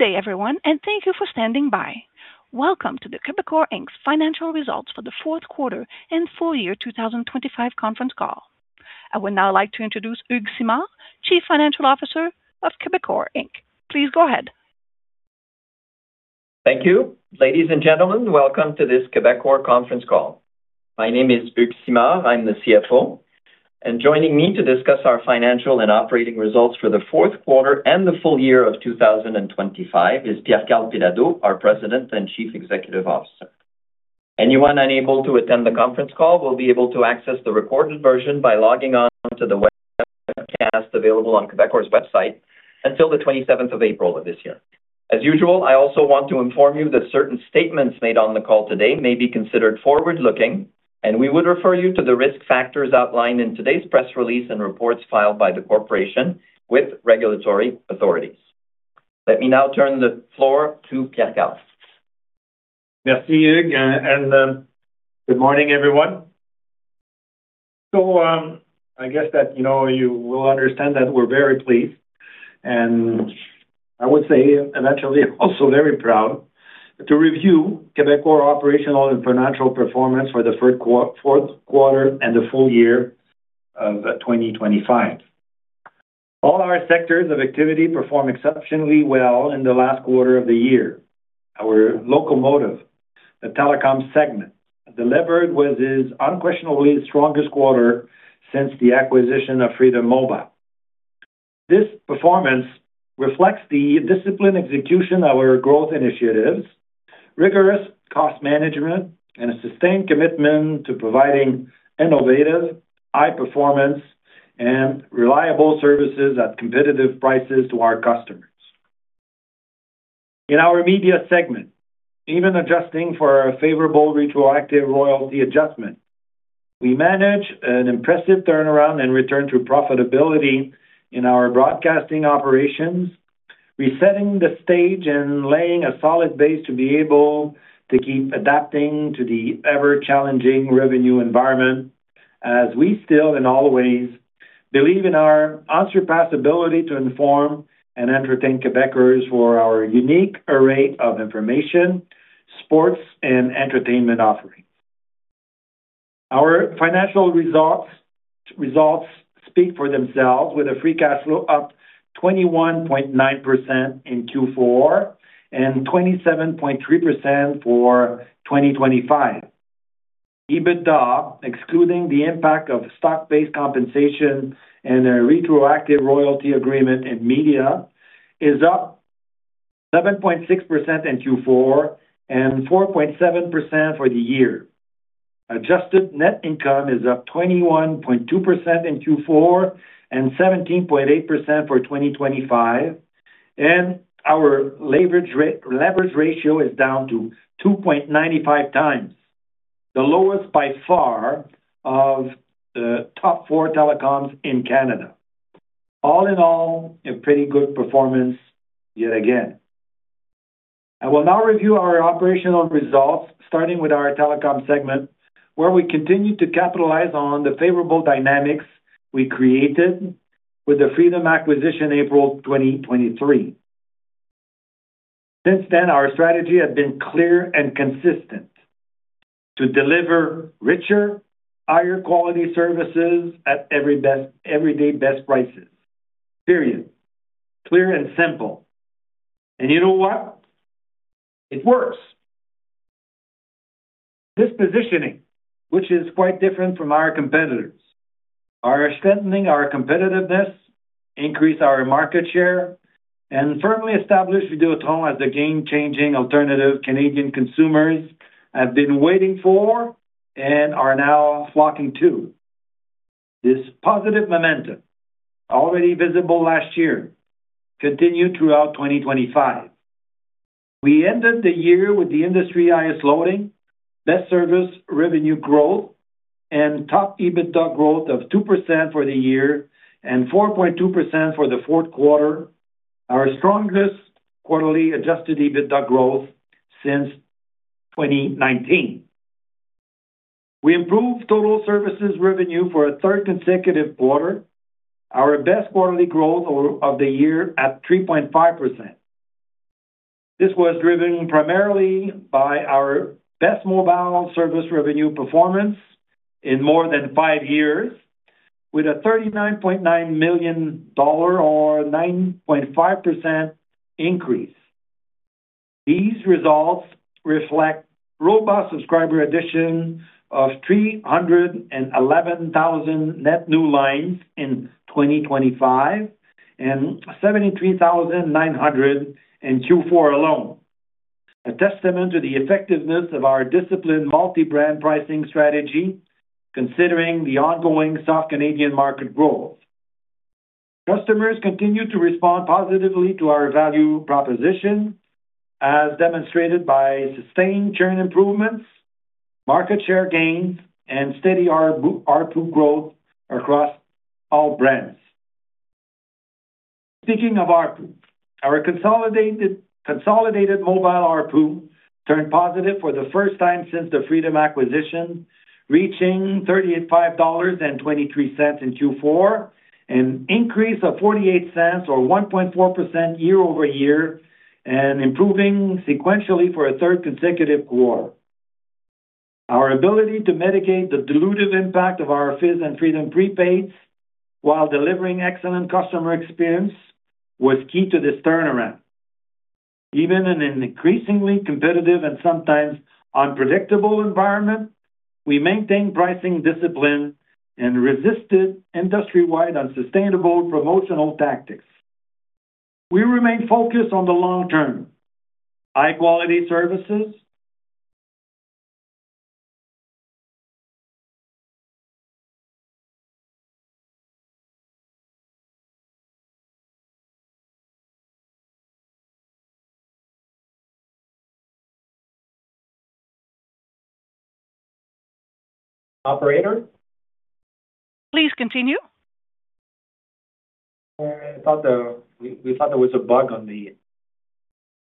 Good day, everyone. Thank you for standing by. Welcome to Quebecor Inc.'s Financial Results for the Q4 and full year 2025 conference call. I would now like to introduce Hugues Simard, Chief Financial Officer of Quebecor Inc. Please go ahead. Thank you. Ladies and gentlemen, welcome to this Quebecor conference call. My name is Hugues Simard. I'm the CFO, and joining me to discuss our financial and operating results for the Q4 and the full year of 2025 is Pierre-Karl Péladeau, our President and Chief Executive Officer. Anyone unable to attend the conference call will be able to access the recorded version by logging on to the webcast available on Quebecor's website until the 27th of April of this year. As usual, I also want to inform you that certain statements made on the call today may be considered forward-looking, and we would refer you to the risk factors outlined in today's press release and reports filed by the corporation with regulatory authorities. Let me now turn the floor to Pierre-Karl. Merci, Hugues. Good morning, everyone. I guess that, you know, you will understand that we're very pleased, and I would say, and actually also very proud, to review Quebecor operational and financial performance for the Q4 and the full year of 2025. All our sectors of activity perform exceptionally well in the last quarter of the year. Our locomotive, the telecom segment, delivered what is unquestionably the strongest quarter since the acquisition of Freedom Mobile. This performance reflects the disciplined execution of our growth initiatives, rigorous cost management, and a sustained commitment to providing innovative, high performance, and reliable services at competitive prices to our customers. In our media segment, even adjusting for a favorable retroactive royalty adjustment, we managed an impressive turnaround and return to profitability in our broadcasting operations, resetting the stage and laying a solid base to be able to keep adapting to the ever-challenging revenue environment. As we still, in all ways, believe in our unsurpassability to inform and entertain Quebecers for our unique array of information, sports, and entertainment offerings. Our financial results speak for themselves, with a free cash flow up 21.9% in Q4 and 27.3% for 2025. EBITDA, excluding the impact of stock-based compensation and a retroactive royalty agreement in media, is up 7.6% in Q4 and 4.7% for the year. Adjusted Net Income is up 21.2% in Q4 and 17.8% for 2025, and our leverage ratio is down to 2.95x, the lowest by far of the top four telecoms in Canada. All in all, a pretty good performance yet again. I will now review our operational results, starting with our telecom segment, where we continue to capitalize on the favorable dynamics we created with the Freedom acquisition, April 2023. Since then, our strategy has been clear and consistent: to deliver richer, higher quality services at everyday best prices. Period. Clear and simple. You know what? It works. This positioning, which is quite different from our competitors, are strengthening our competitiveness, increase our market share, and firmly establish Vidéotron as the game-changing alternative Canadian consumers have been waiting for and are now flocking to. This positive momentum, already visible last year, continued throughout 2025. We ended the year with the industry highest loading, best service revenue growth, and top EBITDA growth of 2% for the year and 4.2% for the Q4, our strongest quarterly Adjusted EBITDA growth since 2019. We improved total services revenue for a third consecutive quarter, our best quarterly growth of the year at 3.5%. This was driven primarily by our best mobile service revenue performance in more than five years, with a $39.9 million or 9.5% increase. These results reflect robust subscriber addition of 311,000 net new lines in 2025 and 73,900 in Q4 alone. A testament to the effectiveness of our disciplined multi-brand pricing strategy, considering the ongoing soft Canadian market growth. Customers continue to respond positively to our value proposition, as demonstrated by sustained churn improvements, market share gains, and steady ARPU growth across all brands. Speaking of ARPU, our consolidated mobile ARPU turned positive for the first time since the Freedom acquisition, reaching 35.23 dollars in Q4, an increase of 0.48 or 1.4% year-over-year, and improving sequentially for a third consecutive quarter. Our ability to mitigate the dilutive impact of our Fizz and Freedom prepaid, while delivering excellent customer experience, was key to this turnaround. Even in an increasingly competitive and sometimes unpredictable environment, we maintain pricing discipline and resisted industry-wide unsustainable promotional tactics. We remain focused on the long term, high-quality services. Operator? Please continue. We thought there was a bug on the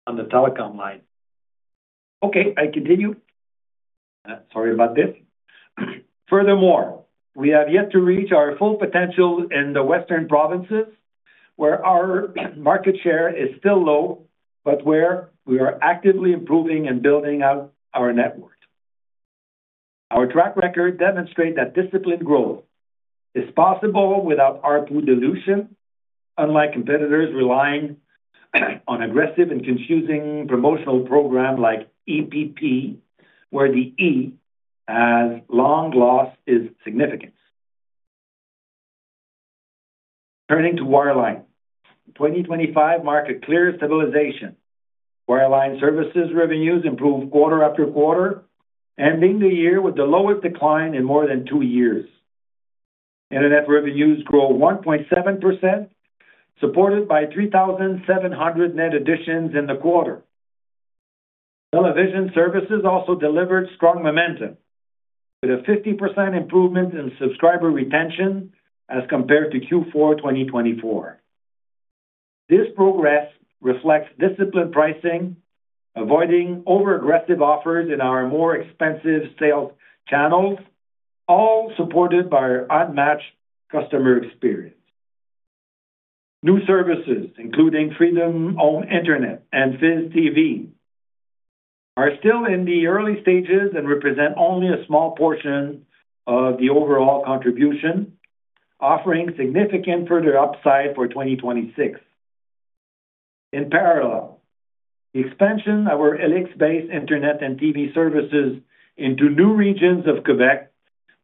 telecom line. Okay, I continue. Sorry about this. Furthermore, we have yet to reach our full potential in the western provinces, where our market share is still low, but where we are actively improving and building out our network. Our track record demonstrate that disciplined growth is possible without ARPU dilution, unlike competitors relying on aggressive and confusing promotional program like EPP, where the E as long lost is significant. Turning to wireline. 2025 marked a clear stabilization. Wireline services revenues improved quarter after quarter, ending the year with the lowest decline in more than two years. Internet revenues grew 1.7%, supported by 3,700 net additions in the quarter. Television services also delivered strong momentum, with a 50% improvement in subscriber retention as compared to Q4 2024. This progress reflects disciplined pricing, avoiding overaggressive offers in our more expensive sales channels, all supported by our unmatched customer experience. New services, including Freedom Home Internet and Fizz TV, are still in the early stages and represent only a small portion of the overall contribution, offering significant further upside for 2026. In parallel, the expansion of our Helix-based internet and TV services into new regions of Quebec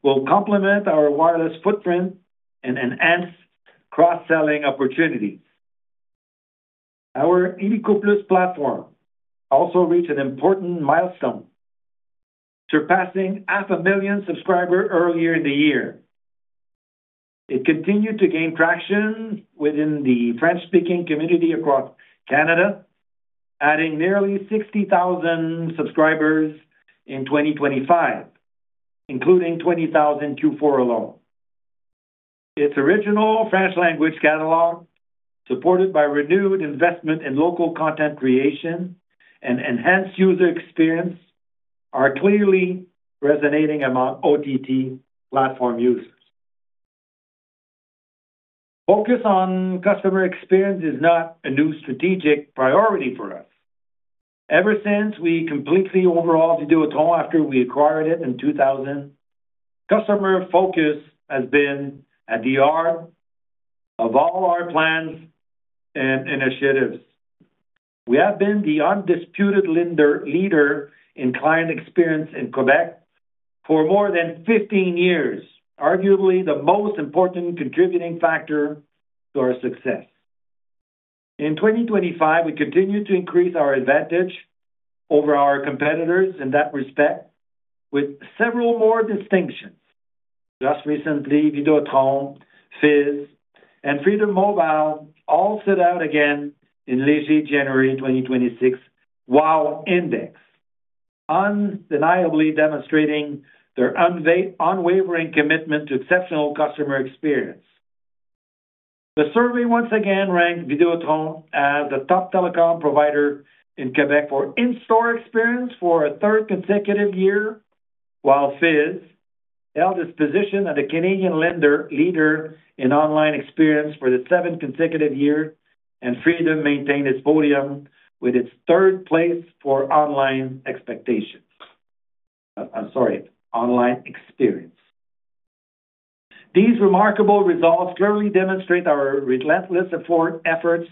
will complement our wireless footprint and enhance cross-selling opportunities. Our illico+ platform also reached an important milestone, surpassing half a million subscribers earlier in the year. It continued to gain traction within the French-speaking community across Canada, adding nearly 60,000 subscribers in 2025, including 20,000 Q4 alone. Its original French language catalog, supported by renewed investment in local content creation and enhanced user experience, are clearly resonating among OTT platform users. Focus on customer experience is not a new strategic priority for us. Ever since we completely overhauled Videotron after we acquired it in 2000, customer focus has been at the heart of all our plans and initiatives. We have been the undisputed leader in client experience in Quebec for more than 15 years, arguably the most important contributing factor to our success. 2025, we continued to increase our advantage over our competitors in that respect with several more distinctions. Just recently, Videotron, Fizz and Freedom Mobile all stood out again in Léger January 2026 WOW Index, undeniably demonstrating their unwavering commitment to exceptional customer experience. The survey once again ranked Videotron as the top telecom provider in Quebec for in-store experience for a third consecutive year, while Fizz held its position as a Canadian leader in online experience for the seventh consecutive year, and Freedom maintained its podium with its third place for online expectations. I'm sorry, online experience. These remarkable results clearly demonstrate our relentless efforts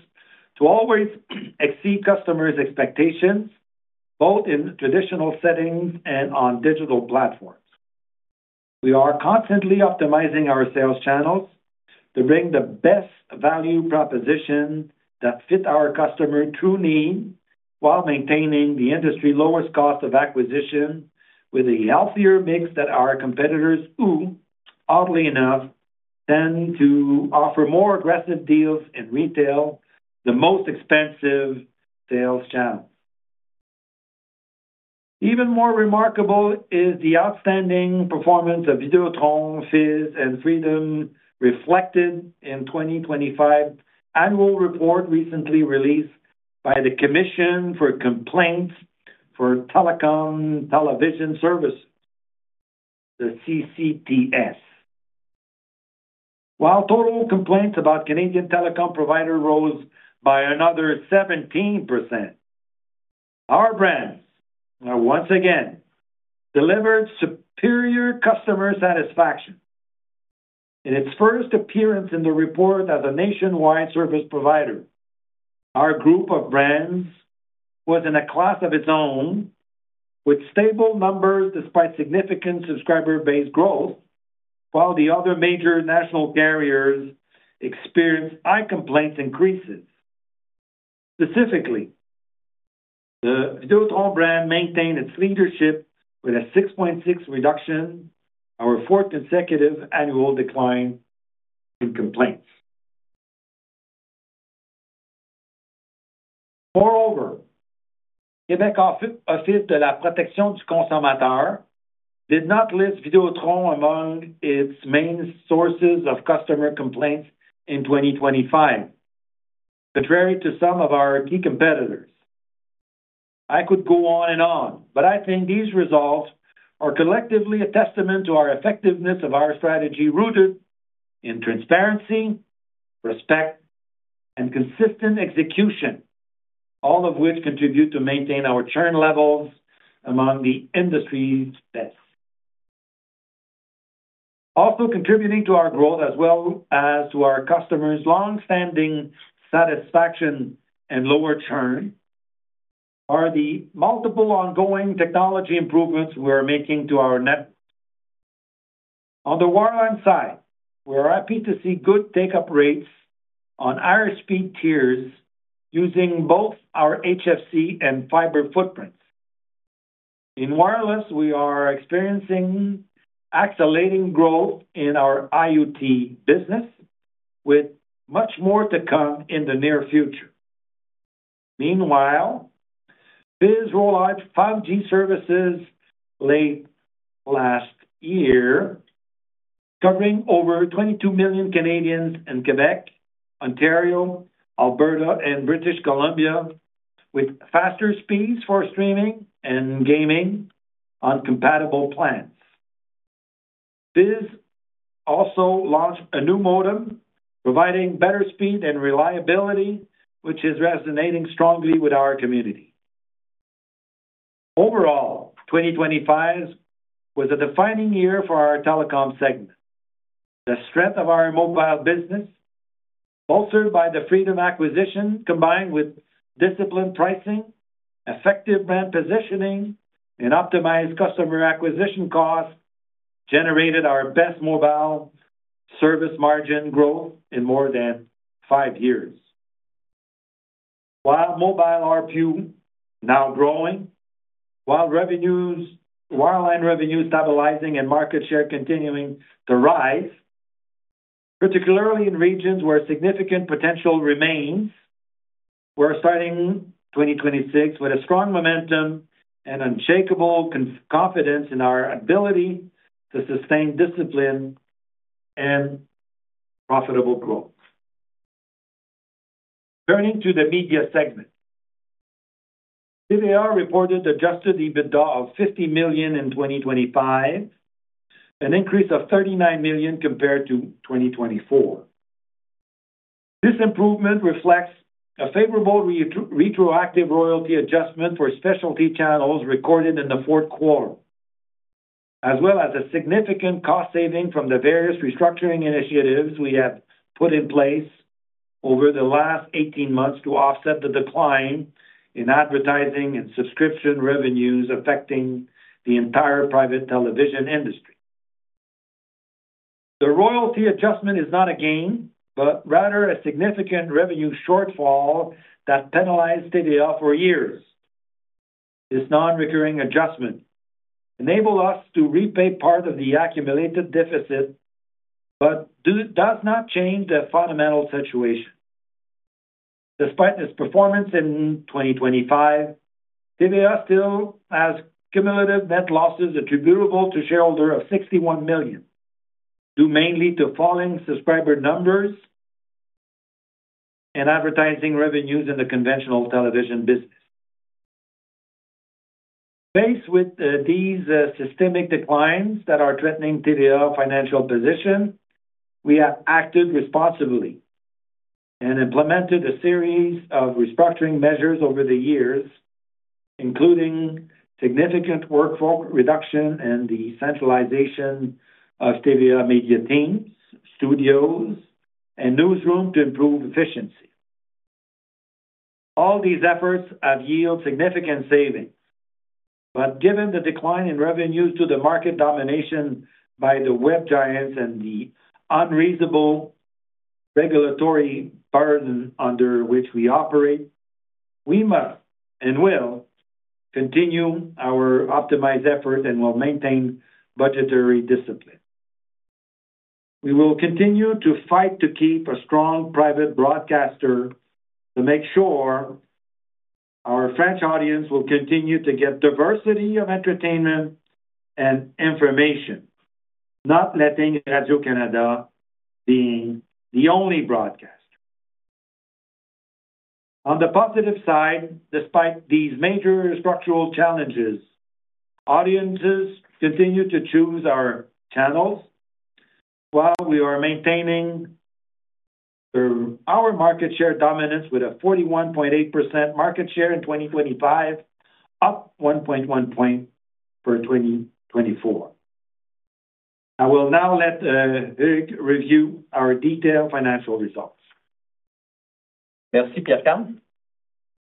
to always exceed customers' expectations, both in traditional settings and on digital platforms. We are constantly optimizing our sales channels to bring the best value proposition that fit our customer true need, while maintaining the industry lowest cost of acquisition with a healthier mix than our competitors, who, oddly enough, tend to offer more aggressive deals in retail, the most expensive sales channel. Even more remarkable is the outstanding performance of Videotron, Fizz, and Freedom, reflected in 2025 annual report recently released by the Commission for Complaints for Telecom-television Services, the CCTS. While total complaints about Canadian telecom provider rose by another 17%, our brands have once again delivered superior customer satisfaction. In its first appearance in the report as a nationwide service provider, our group of brands was in a class of its own, with stable numbers despite significant subscriber base growth, while the other major national carriers experienced high complaint increases. Specifically, the Videotron brand maintained its leadership with a 6.6 reduction, our fourth consecutive annual decline in complaints. Quebec Office de la protection du consommateur did not list Videotron among its main sources of customer complaints in 2025, contrary to some of our key competitors. I think these results are collectively a testament to our effectiveness of our strategy, rooted in transparency, respect, and consistent execution, all of which contribute to maintain our churn levels among the industry's best. Also contributing to our growth, as well as to our customers' long-standing satisfaction and lower churn, are the multiple ongoing technology improvements we're making to our net. On the wireline side, we're happy to see good take-up rates on higher speed tiers using both our HFC and fiber footprints. In wireless, we are experiencing accelerating growth in our IoT business, with much more to come in the near future. Meanwhile, Fizz rolled out 5G services late last year, covering over 22 million Canadians in Quebec, Ontario, Alberta, and British Columbia, with faster speeds for streaming and gaming on compatible plans. Fizz also launched a new modem, providing better speed and reliability, which is resonating strongly with our community. Overall, 2025 was a defining year for our telecom segment. The strength of our mobile business, bolstered by the Freedom acquisition, combined with disciplined pricing, effective brand positioning, and optimized customer acquisition costs, generated our best mobile service margin growth in more than 5 years. While mobile ARPU now growing, wireline revenues stabilizing and market share continuing to rise, particularly in regions where significant potential remains, we're starting 2026 with a strong momentum and unshakable confidence in our ability to sustain discipline and profitable growth. Turning to the media segment. TVA reported Adjusted EBITDA of 50 million in 2025, an increase of 39 million compared to 2024. This improvement reflects a favorable retroactive royalty adjustment for specialty channels recorded in the Q4, as well as a significant cost saving from the various restructuring initiatives we have put in place over the last 18 months to offset the decline in advertising and subscription revenues affecting the entire private television industry. The royalty adjustment is not a gain, but rather a significant revenue shortfall that penalized TVA for years. This non-recurring adjustment enabled us to repay part of the accumulated deficit, but does not change the fundamental situation. Despite this performance in 2025, TVA still has cumulative net losses attributable to shareholders of 61 million, due mainly to falling subscriber numbers and advertising revenues in the conventional television business. Faced with these systemic declines that are threatening TVA financial position, we have acted responsibly and implemented a series of restructuring measures over the years, including significant workforce reduction and the centralization of TVA media teams, studios, and newsroom to improve efficiency. These efforts have yielded significant savings, given the decline in revenues due to the market domination by the web giants and the unreasonable regulatory burden under which we operate, we must and will continue our optimized effort and will maintain budgetary discipline. We will continue to fight to keep a strong private broadcaster to make sure our French audience will continue to get diversity of entertainment and information, not letting Radio-Canada being the only broadcaster. On the positive side, despite these major structural challenges, audiences continue to choose our channels, while we are maintaining our market share dominance with a 41.8% market share in 2025, up 1.1 points for 2024. I will now let Eric review our detailed financial results. Merci, Pierre-Karl.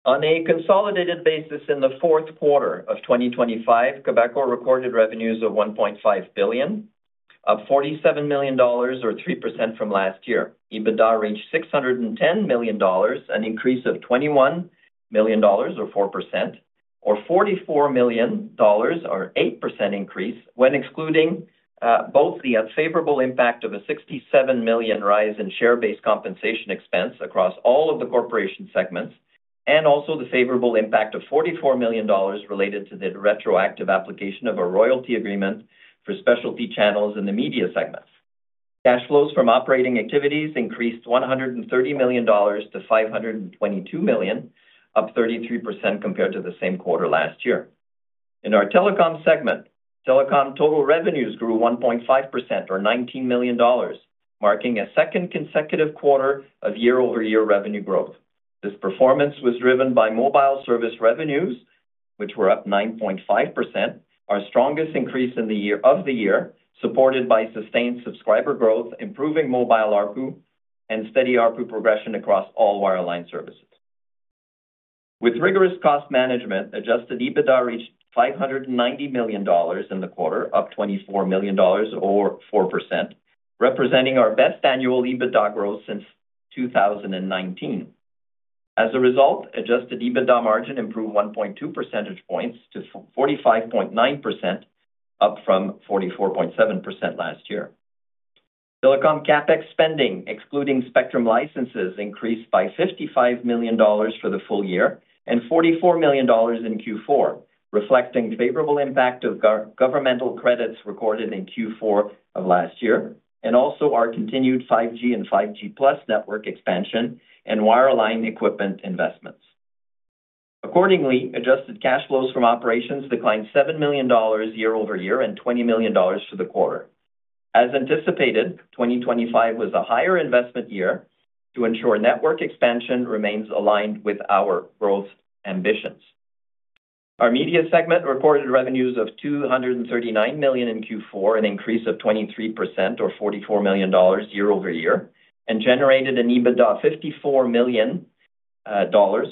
On a consolidated basis, in the Q4 of 2025, Quebecor recorded revenues of 1.5 billion, up 47 million dollars, or 3% from last year. EBITDA reached 610 million dollars, an increase of 21 million dollars, or 4%, or 44 million dollars, or 8% increase when excluding both the unfavorable impact of a 67 million rise in share-based compensation expense across all of the corporation segments, and also the favorable impact of 44 million dollars related to the retroactive application of a royalty agreement for specialty channels in the media segment. Cash flows from operating activities increased 130 million dollars to 522 million, up 33% compared to the same quarter last year. In our telecom segment, telecom total revenues grew 1.5% or 19 million dollars, marking a second consecutive quarter of year-over-year revenue growth. This performance was driven by mobile service revenues, which were up 9.5%, our strongest increase of the year, supported by sustained subscriber growth, improving mobile ARPU, and steady ARPU progression across all wireline services. With rigorous cost management, Adjusted EBITDA reached 590 million dollars in the quarter, up 24 million dollars or 4%, representing our best annual EBITDA growth since 2019. As a result, Adjusted EBITDA margin improved 1.2 percentage points to 45.9%, up from 44.7% last year. Telecom CapEx spending, excluding spectrum licenses, increased by 55 million dollars for the full year and 44 million dollars in Q4, reflecting favorable impact of governmental credits recorded in Q4 of last year, and also our continued 5G and 5G+ network expansion and wireline equipment investments. Adjusted cash flows from operations declined 7 million dollars year-over-year and 20 million dollars for the quarter. As anticipated, 2025 was a higher investment year to ensure network expansion remains aligned with our growth ambitions. Our media segment reported revenues of 239 million in Q4, an increase of 23% or 44 million dollars year-over-year, generated an EBITDA of 54 million dollars,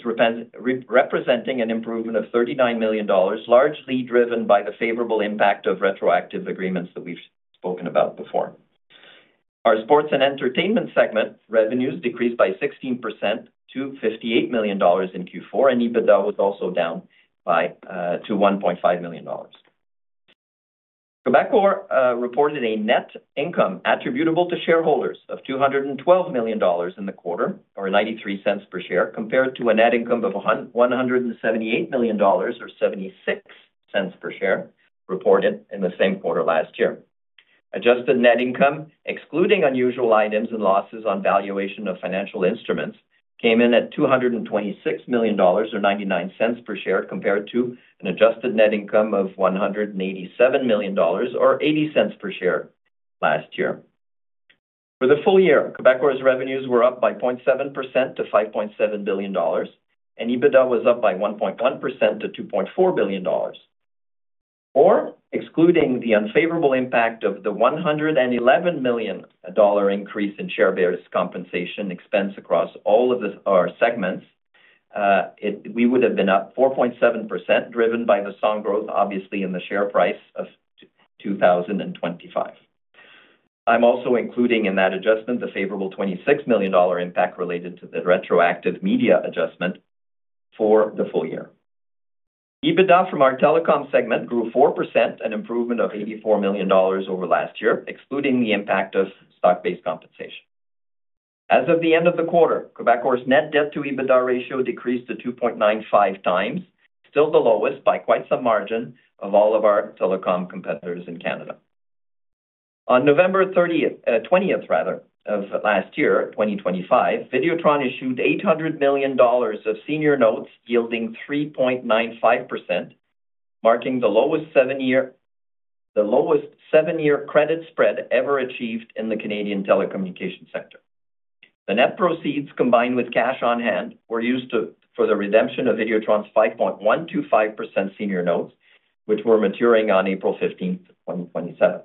representing an improvement of 39 million dollars, largely driven by the favorable impact of retroactive agreements that we've spoken about before. Our sports and entertainment segment revenues decreased by 16% to $58 million in Q4, and EBITDA was also down to $1.5 million. Quebecor reported a net income attributable to shareholders of $212 million in the quarter, or $0.93 per share, compared to a net income of $178 million, or $0.76 per share, reported in the same quarter last year. Adjusted Net Income, excluding unusual items and losses on valuation of financial instruments, came in at $226 million, or $0.99 per share, compared to an Adjusted Net Income of $187 million, or $0.80 per share last year. For the full year, Quebecor's revenues were up by 0.7% to 5.7 billion dollars. EBITDA was up by 1.1% to 2.4 billion dollars. Excluding the unfavorable impact of the 111 million dollar increase in share-based compensation expense across all our segments, we would have been up 4.7%, driven by the strong growth, obviously, in the share price of 2025. I'm also including in that adjustment the favorable 26 million dollar impact related to the retroactive media adjustment for the full year. EBITDA from our telecom segment grew 4%, an improvement of 84 million dollars over last year, excluding the impact of stock-based compensation. As of the end of the quarter, Quebecor's net debt to EBITDA ratio decreased to 2.95x, still the lowest by quite some margin of all of our telecom competitors in Canada. On November 30th, 20th, rather, of last year, 2025, Videotron issued 800 million dollars of senior notes yielding 3.95%, marking the lowest seven-year credit spread ever achieved in the Canadian telecommunication sector. The net proceeds, combined with cash on hand, were used for the redemption of Videotron's 5.125% senior notes, which were maturing on April 15th, 2027.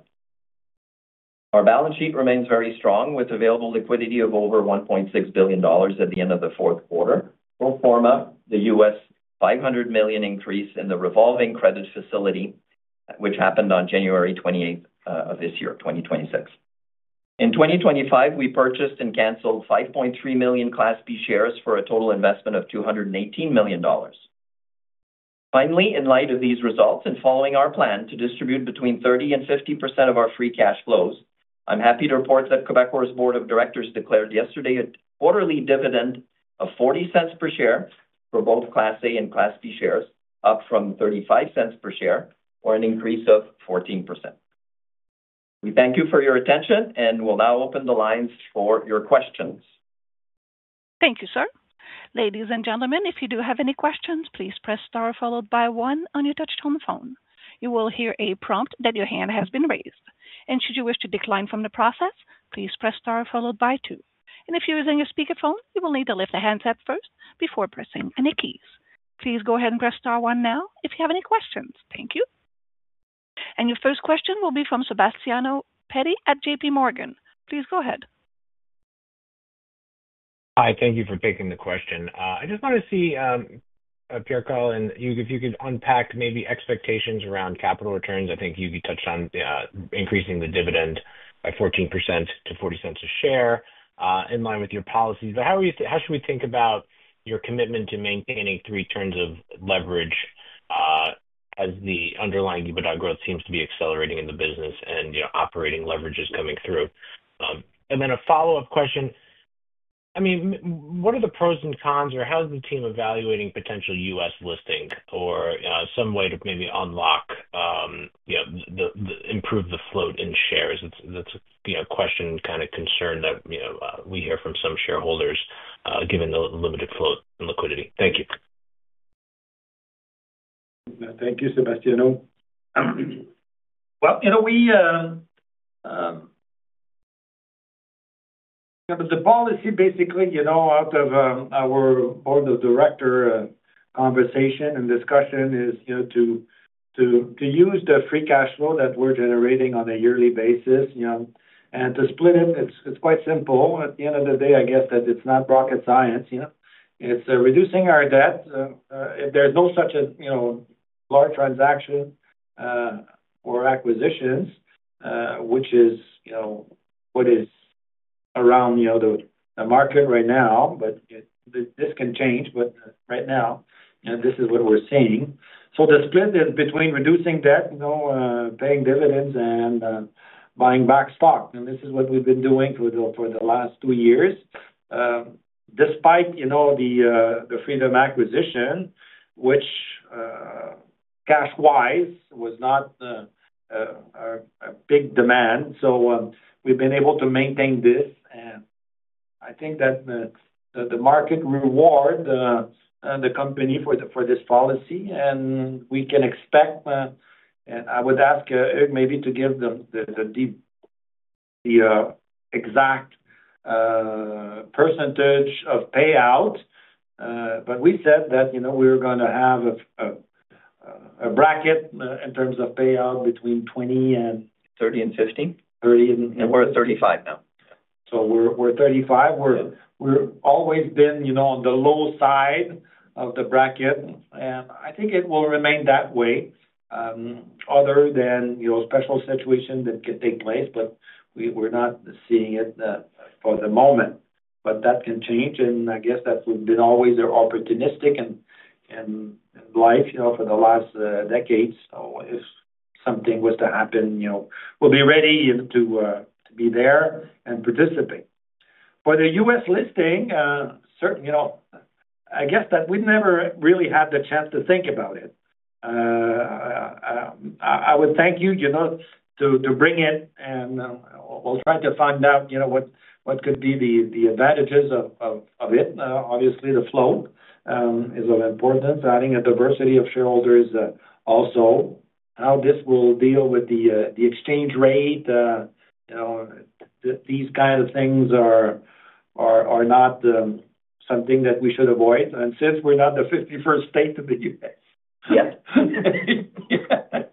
Our balance sheet remains very strong, with available liquidity of over 1.6 billion dollars at the end of the Q4, pro forma the $500 million increase in the revolving credit facility, which happened on January 28 of this year, 2026. In 2025, we purchased and canceled 5.3 million Class B shares for a total investment of 218 million dollars. In light of these results, and following our plan to distribute between 30% and 50% of our free cash flows, I'm happy to report that Quebecor's board of directors declared yesterday a quarterly dividend of 0.40 per share for both Class A and Class B shares, up from 0.35 per share, or an increase of 14%. We thank you for your attention. We'll now open the lines for your questions. Thank you, sir. Ladies and gentlemen, if you do have any questions, please press Star followed by one on your touchtone phone. You will hear a prompt that your hand has been raised, and should you wish to decline from the process, please press Star followed by two. If you're using a speakerphone, you will need to lift the handset first before pressing any keys. Please go ahead and press Star one now if you have any questions. Thank you. Your first question will be from Sebastiano Petti at J.P. Morgan. Please go ahead. Hi, thank you for taking the question. I just want to see, Pierre Karl, and if you could unpack maybe expectations around capital returns. I think you've touched on, increasing the dividend by 14% to 0.40 a share, in line with your policies. How should we think about your commitment to maintaining 3 turns of leverage, as the underlying EBITDA growth seems to be accelerating in the business and, you know, operating leverage is coming through? Then a follow-up question. I mean, what are the pros and cons, or how is the team evaluating potential US listing or, some way to maybe unlock, you know, the, improve the float in shares? That's a, you know, question, kind of, concern that, you know, we hear from some shareholders, given the limited float and liquidity. Thank you. Thank you, Sebastiano. Well, you know, we, the policy basically, you know, out of our board of directors conversation and discussion is, you know, to use the free cash flow that we're generating on a yearly basis, you know, and to split it's quite simple. At the end of the day, I guess, that it's not rocket science, you know? It's reducing our debt. If there's no such a large transaction or acquisitions, which is what is around the market right now, but this can change. Right now, you know, this is what we're seeing. The split is between reducing debt, paying dividends and buying back stock, and this is what we've been doing for the last 2 years. Despite, you know, the Freedom acquisition, which cash-wise was not a big demand. We've been able to maintain this, and I think that the market reward the company for this policy, and we can expect, and I would ask maybe to give them the exact percentage of payout. We said that, you know, we were gonna have a bracket in terms of payout between 20 and- 30 and 50. 30. We're at 35 now. We're at 35. Yes. We're always been, you know, on the low side of the bracket. I think it will remain that way, other than, you know, special situations that can take place. We're not seeing it for the moment. That can change. I guess that we've been always opportunistic and life, you know, for the last decades. If something was to happen, you know, we'll be ready to be there and participate. For the U.S. listing, certain, you know, I guess that we've never really had the chance to think about it. I would thank you know, to bring it. We'll try to find out, you know, what could be the advantages of it. Obviously, the flow is of importance. Adding a diversity of shareholders, also, how this will deal with the exchange rate, you know, these kind of things are not something that we should avoid. Since we're not the fifty-first state of the U.S. Yes.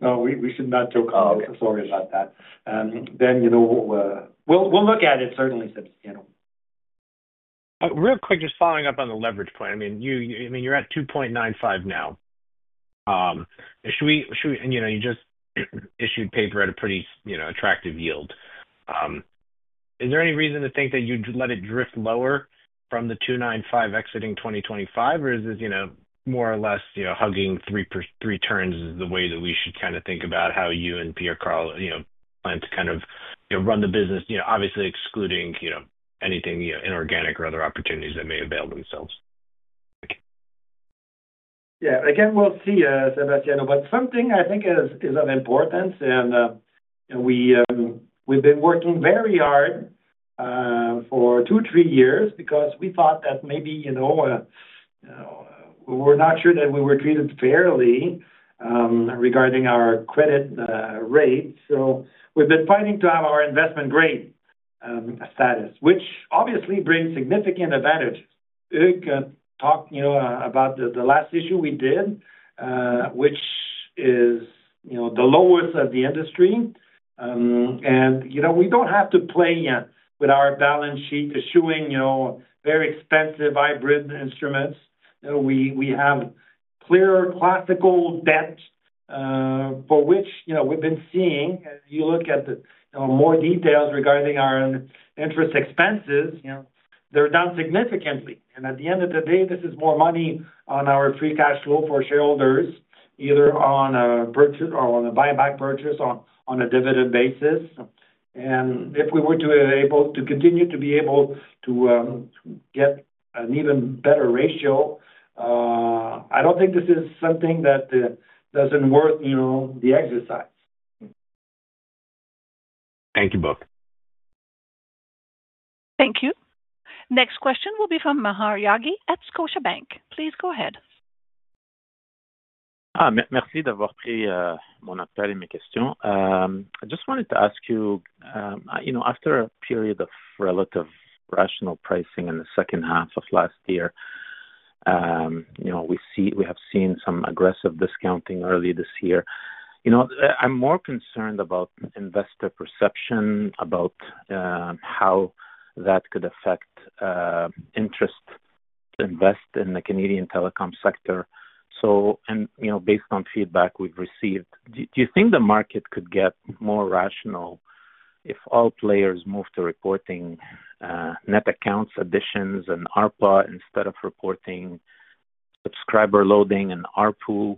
No, we should not joke around. Okay. Sorry about that. You know, we'll look at it, certainly, Sebastiano. Real quick, just following up on the leverage point. I mean, you're at 2.95 now. Should we... You know, you just issued paper at a pretty, you know, attractive yield. Is there any reason to think that you'd let it drift lower from the 2.95 exiting 2025, or is this, you know, more or less, you know, hugging 3 turns, is the way that we should kind of think about how you and Pierre Karl, you know, plan to kind of, you know, run the business? You know, obviously excluding, you know, anything, you know, inorganic or other opportunities that may avail themselves. Thank you. Again, we'll see, Sebastiano, something I think is of importance, we've been working very hard for two, three years because we thought that maybe, you know, we're not sure that we were treated fairly regarding our credit rate. We've been fighting to have our investment grade status, which obviously brings significant advantages. We can talk, you know, about the last issue we did, which is, you know, the lowest of the industry. We don't have to play with our balance sheet, issuing, you know, very expensive hybrid instruments. We have clear classical debt for which, you know, we've been seeing, as you look at the, you know, more details regarding our interest expenses, you know, they're down significantly. At the end of the day, this is more money on our free cash flow for shareholders, either on a purchase or on a buyback purchase on a dividend basis. If we were to able to continue to be able to get an even better ratio, I don't think this is something that doesn't worth, you know, the exercise. Thank you, Bob. Thank you. Next question will be from Maher Yaghi at Scotiabank. Please go ahead. Merci d'avoir pris, mon appel et mes questions. I just wanted to ask you know, after a period of relative rational pricing in the second half of last year, you know, we have seen some aggressive discounting early this year. You know, I'm more concerned about investor perception, about, how that could affect, interest to invest in the Canadian telecom sector. You know, based on feedback we've received, do you think the market could get more rational if all players moved to reporting, net accounts, additions, and ARPA, instead of reporting subscriber loading and ARPU,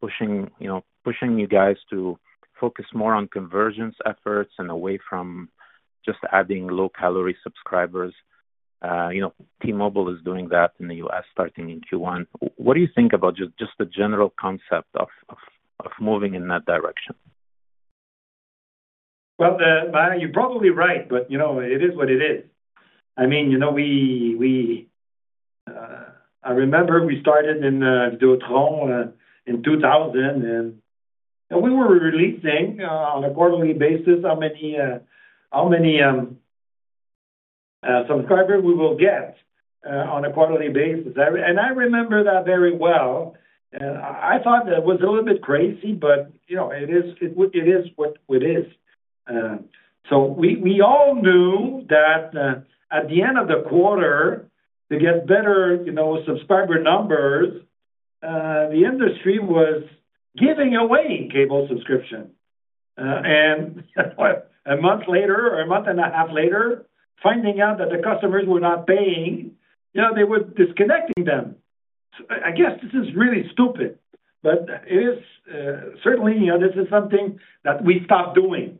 pushing you guys to focus more on convergence efforts and away from just adding low-calorie subscribers? You know, T-Mobile is doing that in the US, starting in Q1. What do you think about just the general concept of, of moving in that direction? Well, Maher, you're probably right, but, you know, it is what it is. I mean, you know, we, I remember we started in Vidéotron in 2000, and we were releasing on a quarterly basis, how many subscribers we will get on a quarterly basis. I remember that very well, and I thought that was a little bit crazy, but, you know, it is what it is. We all knew that at the end of the quarter, to get better, you know, subscriber numbers, the industry was giving away cable subscription. What, a month later or a month and a half later, finding out that the customers were not paying, you know, they were disconnecting them. I guess this is really stupid, but it is certainly, this is something that we stopped doing.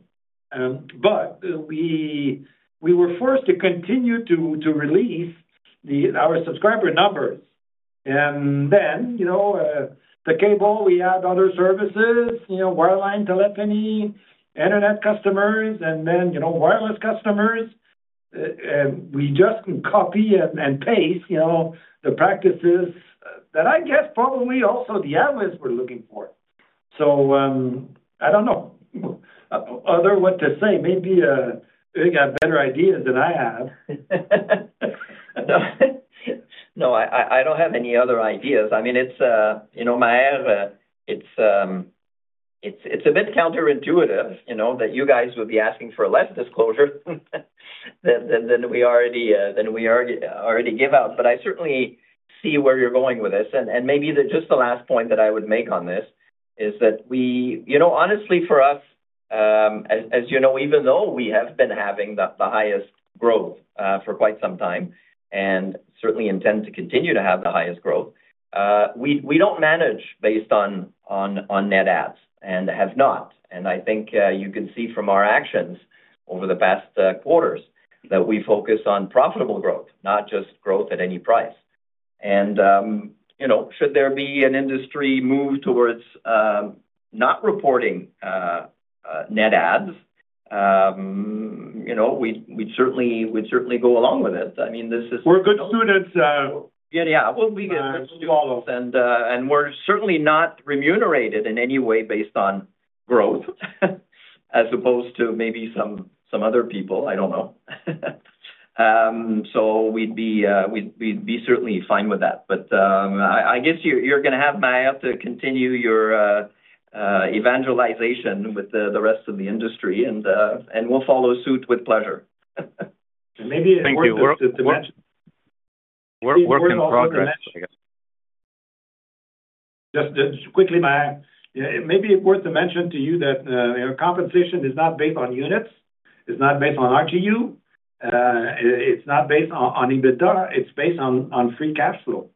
We were forced to continue to release our subscriber numbers. The cable, we add other services, wireline, telephony, internet customers, and then wireless customers. We just copy and paste the practices that I guess probably also the analysts were looking for. I don't know other what to say. Maybe, you got better ideas than I have. No, I don't have any other ideas. I mean, it's, you know, Maher, it's a bit counterintuitive, you know, that you guys would be asking for less disclosure than we already give out. I certainly see where you're going with this. Maybe the, just the last point that I would make on this is that we... You know, honestly, for us, as you know, even though we have been having the highest growth for quite some time, and certainly intend to continue to have the highest growth, we don't manage based on net adds, and have not. I think, you can see from our actions over the past quarters, that we focus on profitable growth, not just growth at any price. You know, should there be an industry move towards, not reporting, net adds, you know, we'd certainly go along with it. I mean. We're good students. Yeah, well, we can follow. We're certainly not remunerated in any way based on growth, as opposed to maybe some other people. I don't know. We'd be certainly fine with that. I guess you're gonna have, Maher, to continue your evangelization with the rest of the industry, and we'll follow suit with pleasure. Maybe it worth to mention. Thank you. We're work in progress, I guess. Just quickly, Maher, it may be worth to mention to you that your compensation is not based on units, it's not based on RGU, it's not based on EBITDA, it's based on free cash flow.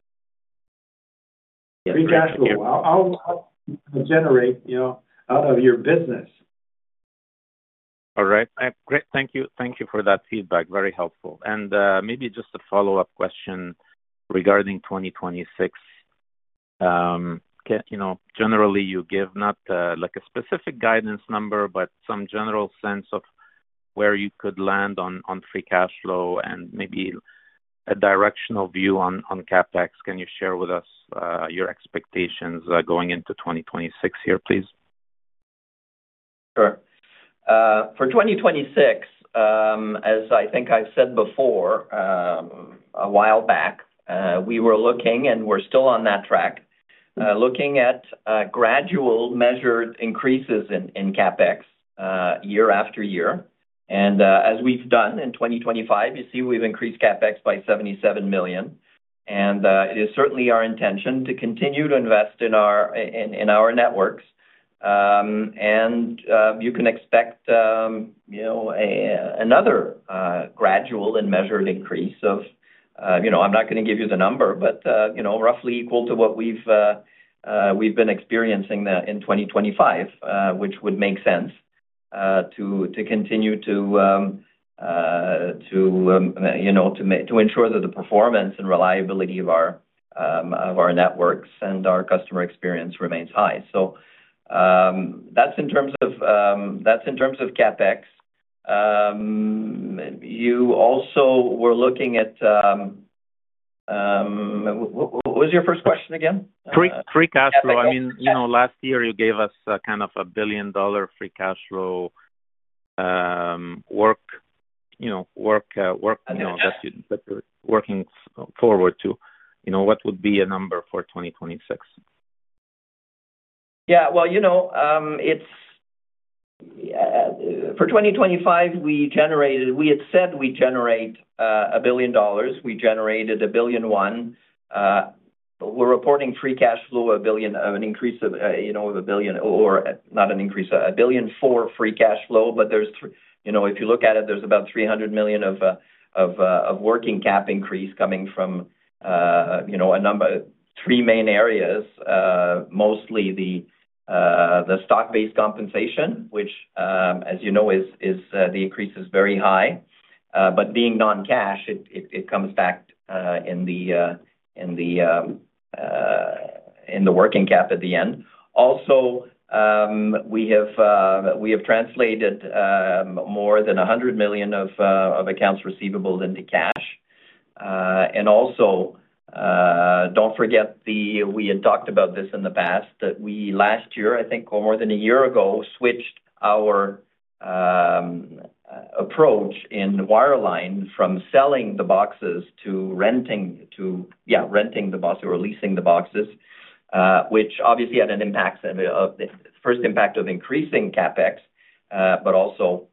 Yes, thank you. Free cash flow. How to generate, you know, out of your business. All right. Great, thank you. Thank you for that feedback. Very helpful. Maybe just a follow-up question regarding 2026. Can, you know, generally, you give not, like a specific guidance number, but some general sense of where you could land on free cash flow and maybe a directional view on CapEx. Can you share with us your expectations going into 2026 here, please? Sure. For 2026, as I think I've said before, a while back, we were looking, and we're still on that track, looking at gradual measured increases in CapEx year after year. As we've done in 2025, you see, we've increased CapEx by 77 million. It is certainly our intention to continue to invest in our networks. You can expect, you know, another gradual and measured increase of, you know, I'm not gonna give you the number, but, you know, roughly equal to what we've been experiencing in 2025. Which would make sense, to continue to, you know, to make, to ensure that the performance and reliability of our networks and our customer experience remains high. That's in terms of, that's in terms of CapEx. You also were looking at, what was your first question again? Free cash flow. I mean, you know, last year you gave us kind of a billion-dollar free cash flow, working forward to, you know, what would be a number for 2026? Well, you know, for 2025, we had said we generate 1 billion dollars. We generated 1.1 billion. We're reporting free cash flow, 1 billion, an increase of, you know, 1 billion or not an increase, 1 billion for free cash flow. There's, you know, if you look at it, there's about 300 million of working cap increase coming from, you know, three ma in areas. Mostly the stock-based compensation, which, as you know, is the increase is very high. Being non-cash, it comes back in the working cap at the end. Also, we have translated more than 100 million of accounts receivables into cash. Also, don't forget we had talked about this in the past, that we last year, I think, or more than a year ago, switched our approach in wireline from selling the boxes to renting the boxes or leasing the boxes. Which obviously had an impact of, the first impact of increasing CapEx, but also,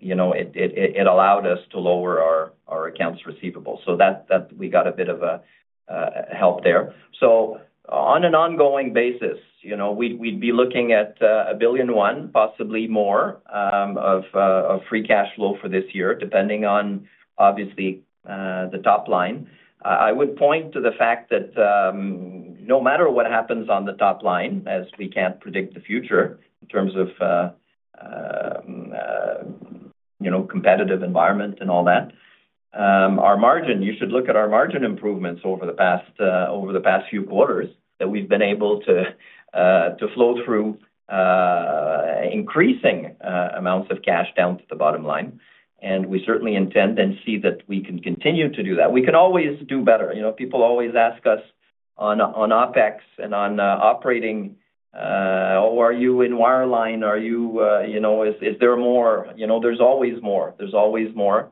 you know, it allowed us to lower our accounts receivable. That, we got a bit of a help there. On an ongoing basis, you know, we'd be looking at 1.1 billion, possibly more, of free cash flow for this year, depending on obviously, the top line. I would point to the fact that no matter what happens on the top line, as we can't predict the future in terms of, you know, competitive environment and all that, our margin, you should look at our margin improvements over the past few quarters, that we've been able to flow through increasing amounts of cash down to the bottom line. We certainly intend and see that we can continue to do that. We can always do better. You know, people always ask us on OpEx and on operating, or are you in wireline? Are you know, is there more? You know, there's always more, there's always more.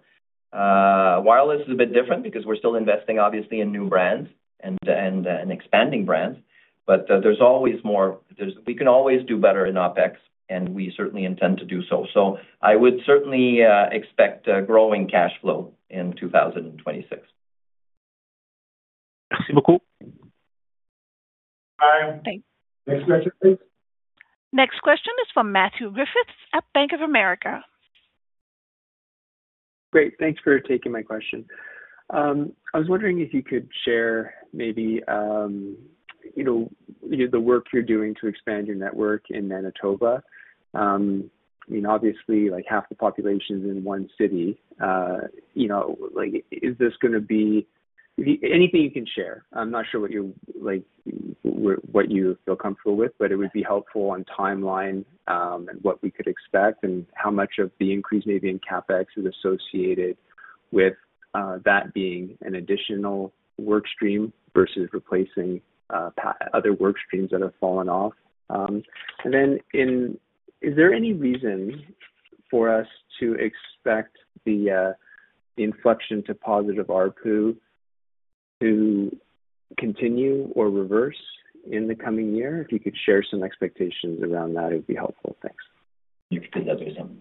Wireless is a bit different because we're still investing, obviously, in new brands and expanding brands. There's always more. We can always do better in OpEx, and we certainly intend to do so. I would certainly expect a growing cash flow in 2026. Thanks. Next question, please. Next question is from Matthew Griffiths at Bank of America. Great, thanks for taking my question. I was wondering if you could share maybe, you know, the work you're doing to expand your network in Manitoba. I mean, obviously, like, half the population is in one city. You know, like, is this gonna be... Anything you can share? I'm not sure what you, what you feel comfortable with, but it would be helpful on timeline, and what we could expect, and how much of the increase maybe in CapEx is associated with that being an additional work stream versus replacing other work streams that have fallen off. Then in, is there any reason for us to expect the inflection to positive ARPU to continue or reverse in the coming year? If you could share some expectations around that, it would be helpful. Thanks. You can take that, Jason.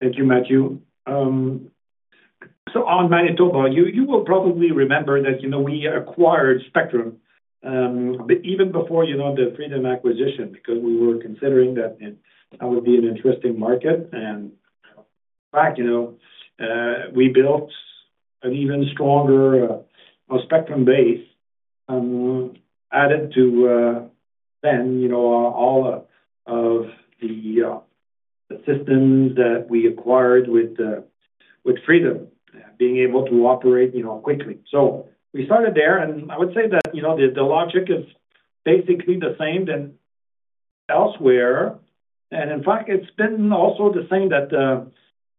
Thank you, Matthew. On Manitoba, you will probably remember that, you know, we acquired spectrum, even before, you know, the Freedom acquisition, because we were considering that that would be an interesting market. In fact, you know, we built an even stronger spectrum base, added to then, you know, all of the systems that we acquired with Freedom being able to operate, you know, quickly. We started there. I would say that, you know, the logic is basically the same than elsewhere. In fact, it's been also the same that,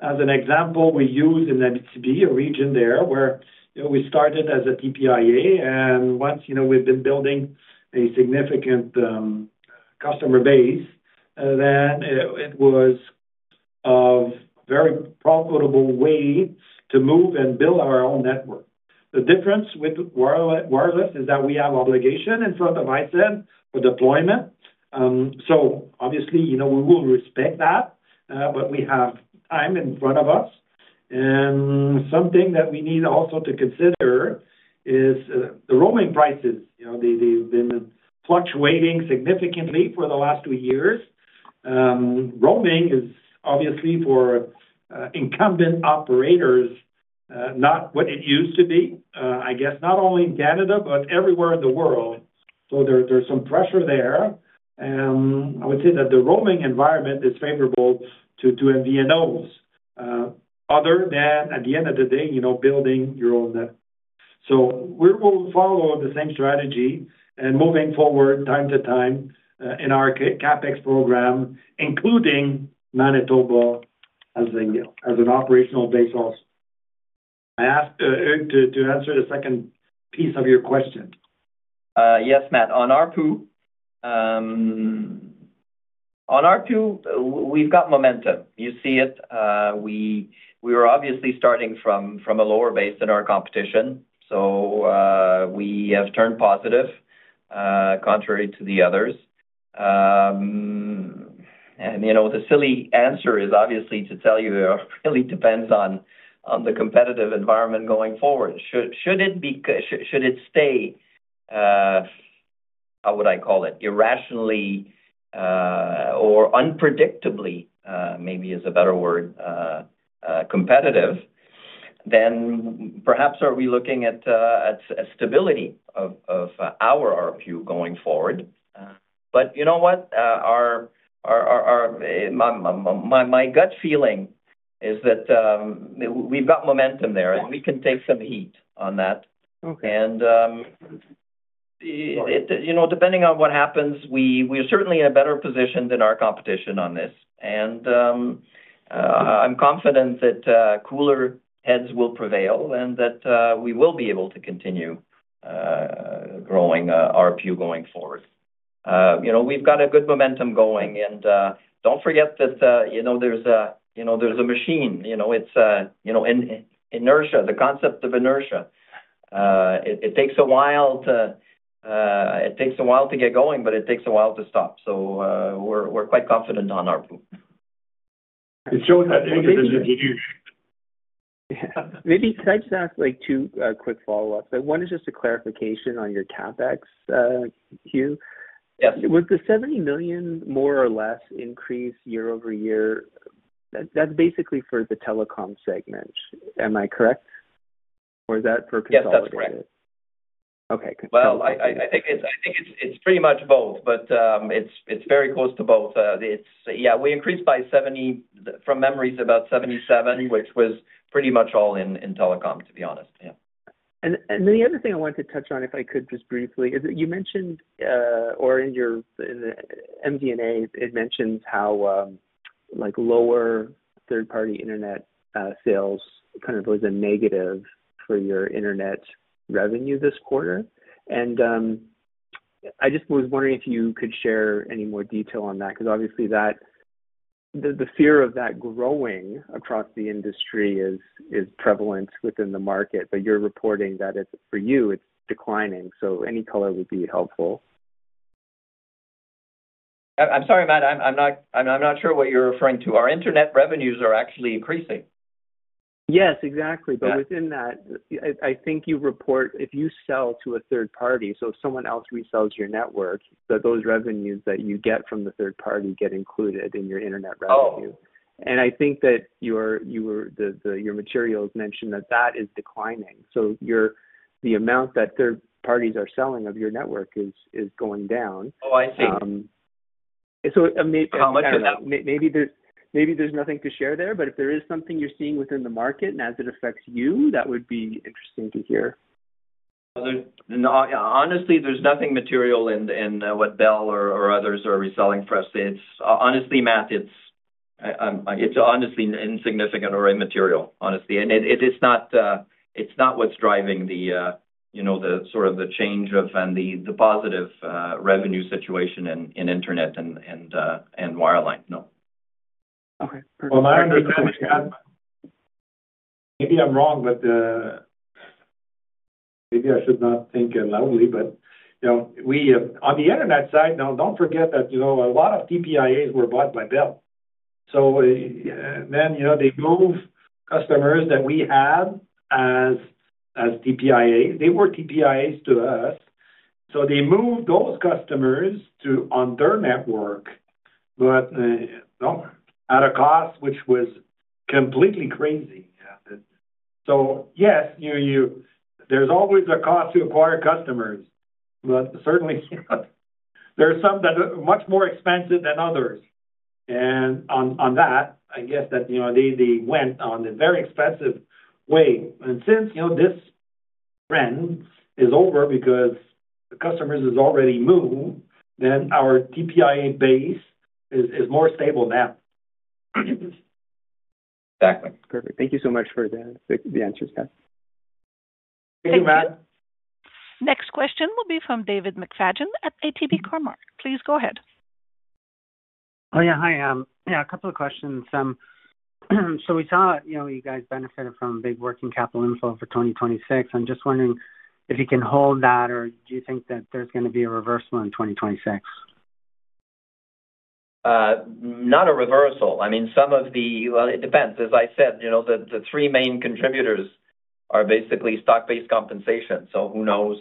as an example, we use in NBC, a region there where, you know, we started as a PPIA. Once, you know, we've been building a significant customer base, then it was a very profitable way to move and build our own network. The difference with wireless is that we have obligation in front of ISED for deployment. Obviously, you know, we will respect that, but we have time in front of us. Something that we need also to consider is the roaming prices. You know, they've been fluctuating significantly for the last two years. Roaming is obviously for incumbent operators, not what it used to be, I guess not only in Canada, but everywhere in the world. There's some pressure there. I would say that the roaming environment is favorable to MVNOs, other than at the end of the day, you know, building your own net. We will follow the same strategy and moving forward, time to time, in our CapEx program, including Manitoba as an operational base also. I asked to answer the second piece of your question. Yes, Matt, on ARPU, on ARPU, we've got momentum. You see it. We were obviously starting from a lower base than our competition, we have turned positive, contrary to the others. You know, the silly answer is obviously to tell you it really depends on the competitive environment going forward. Should it stay, how would I call it? Irrationally, or unpredictably, maybe is a better word, competitive, then perhaps are we looking at a stability of our ARPU going forward. You know what? Our, our, our, my, my gut feeling is that we've got momentum there, and we can take some heat on that. Okay. It, you know, depending on what happens, we are certainly in a better position than our competition on this. I'm confident that cooler heads will prevail and that we will be able to continue growing ARPU going forward. You know, we've got a good momentum going, and don't forget that, you know, there's a, you know, there's a machine, you know, it's, you know, inertia, the concept of inertia. It takes a while to get going, but it takes a while to stop. We're quite confident on ARPU. And so- Maybe can I just ask, like, two quick follow-ups. One is just a clarification on your CapEx, Q. Yes. Was the 70 million more or less increase year-over-year, that's basically for the telecom segment? Am I correct? Or is that for consolidated? Yes, that's correct. Okay. Well, I think it's pretty much both. It's very close to both. Yeah, we increased by 70, from memory, about 77, which was pretty much all in telecom, to be honest. Yeah. The other thing I wanted to touch on, if I could, just briefly, is that you mentioned, or in your, in the MD&A, it mentions how, like, lower Third-Party Internet sales kind of was a negative for your internet revenue this quarter. I just was wondering if you could share any more detail on that, because obviously, the fear of that growing across the industry is prevalent within the market, but you're reporting that for you, it's declining. Any color would be helpful. I'm sorry, Matt, I'm not sure what you're referring to. Our internet revenues are actually increasing. Yes, exactly. Yeah. Within that, I think you report if you sell to a third party, so if someone else resells your network, that those revenues that you get from the third party get included in your internet revenue. Oh. I think that your materials mentioned that that is declining. Your, the amount that third parties are selling of your network is going down. Oh, I see. so maybe- How much of that? Maybe there's nothing to share there. If there is something you're seeing within the market and as it affects you, that would be interesting to hear. Honestly, there's nothing material in what Bell or others are reselling for us. It's honestly, Matt, it's honestly insignificant or immaterial, honestly. It's not what's driving the sort of the change of and the positive revenue situation in internet and wireline. No. Okay. Well, my understanding, maybe I'm wrong, maybe I should not think out loudly. You know, we, on the internet side, now, don't forget that, you know, a lot of TPIAs were bought by Bell. You know, they moved customers that we had as TPIA. They were TPIAs to us. They moved those customers to, on their network, at a cost, which was completely crazy. Yes, you, there's always a cost to acquire customers, certainly, there are some that are much more expensive than others. On that, I guess that, you know, they went on a very expensive way. Since, you know, this trend is over because the customers is already moved, our TPIA base is more stable now. Exactly. Perfect. Thank you so much for the answers, guys. Thank you, Matt. Next question will be from David McFadgen at ATB Cormark. Please go ahead. Yeah. Hi. Yeah, a couple of questions. We saw, you know, you guys benefited from big working capital inflow for 2026. I'm just wondering if you can hold that, or do you think that there's gonna be a reversal in 2026? Not a reversal. I mean, some of the... Well, it depends. As I said, you know, the three main contributors are basically stock-based compensation. Who knows,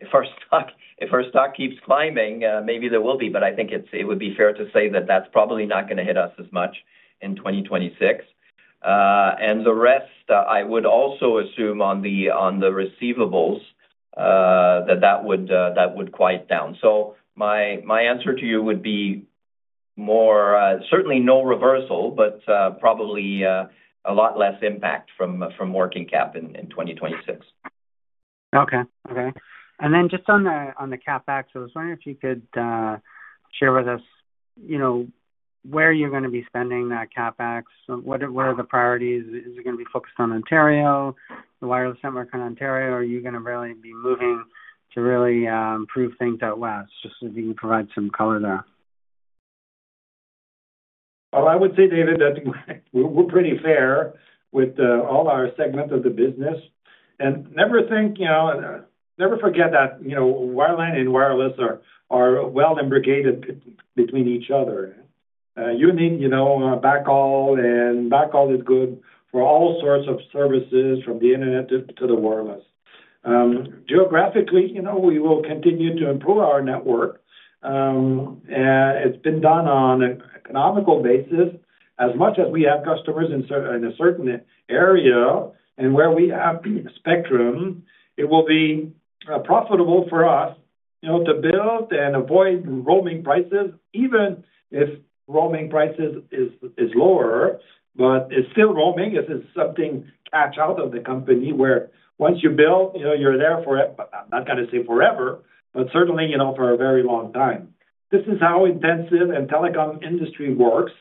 if our stock keeps climbing, maybe there will be. I think it would be fair to say that that's probably not gonna hit us as much in 2026. The rest, I would also assume on the receivables, that would quiet down. My answer to you would be more, certainly no reversal, but, probably, a lot less impact from working cap in 2026. Okay. Okay. Just on the CapEx, I was wondering if you could share with us, you know, where you're gonna be spending that CapEx? What are the priorities? Is it gonna be focused on Ontario, the wireless network in Ontario, or are you gonna really be moving to improve things out west? If you can provide some color there. Well, I would say, David, that we're pretty fair with all our segments of the business. Never think, you know, never forget that, you know, wireline and wireless are well integrated between each other. You need, you know, a backhaul, and backhaul is good for all sorts of services, from the internet to the wireless. Geographically, you know, we will continue to improve our network. It's been done on an economical basis. As much as we have customers in a certain area and where we have spectrum, it will be profitable for us, you know, to build and avoid roaming prices, even if roaming prices is lower, but it's still roaming. It is something cash out of the company, where once you build, you know, you're there for, I'm not gonna say forever, but certainly, you know, for a very long time. This is how intensive and telecom industry works.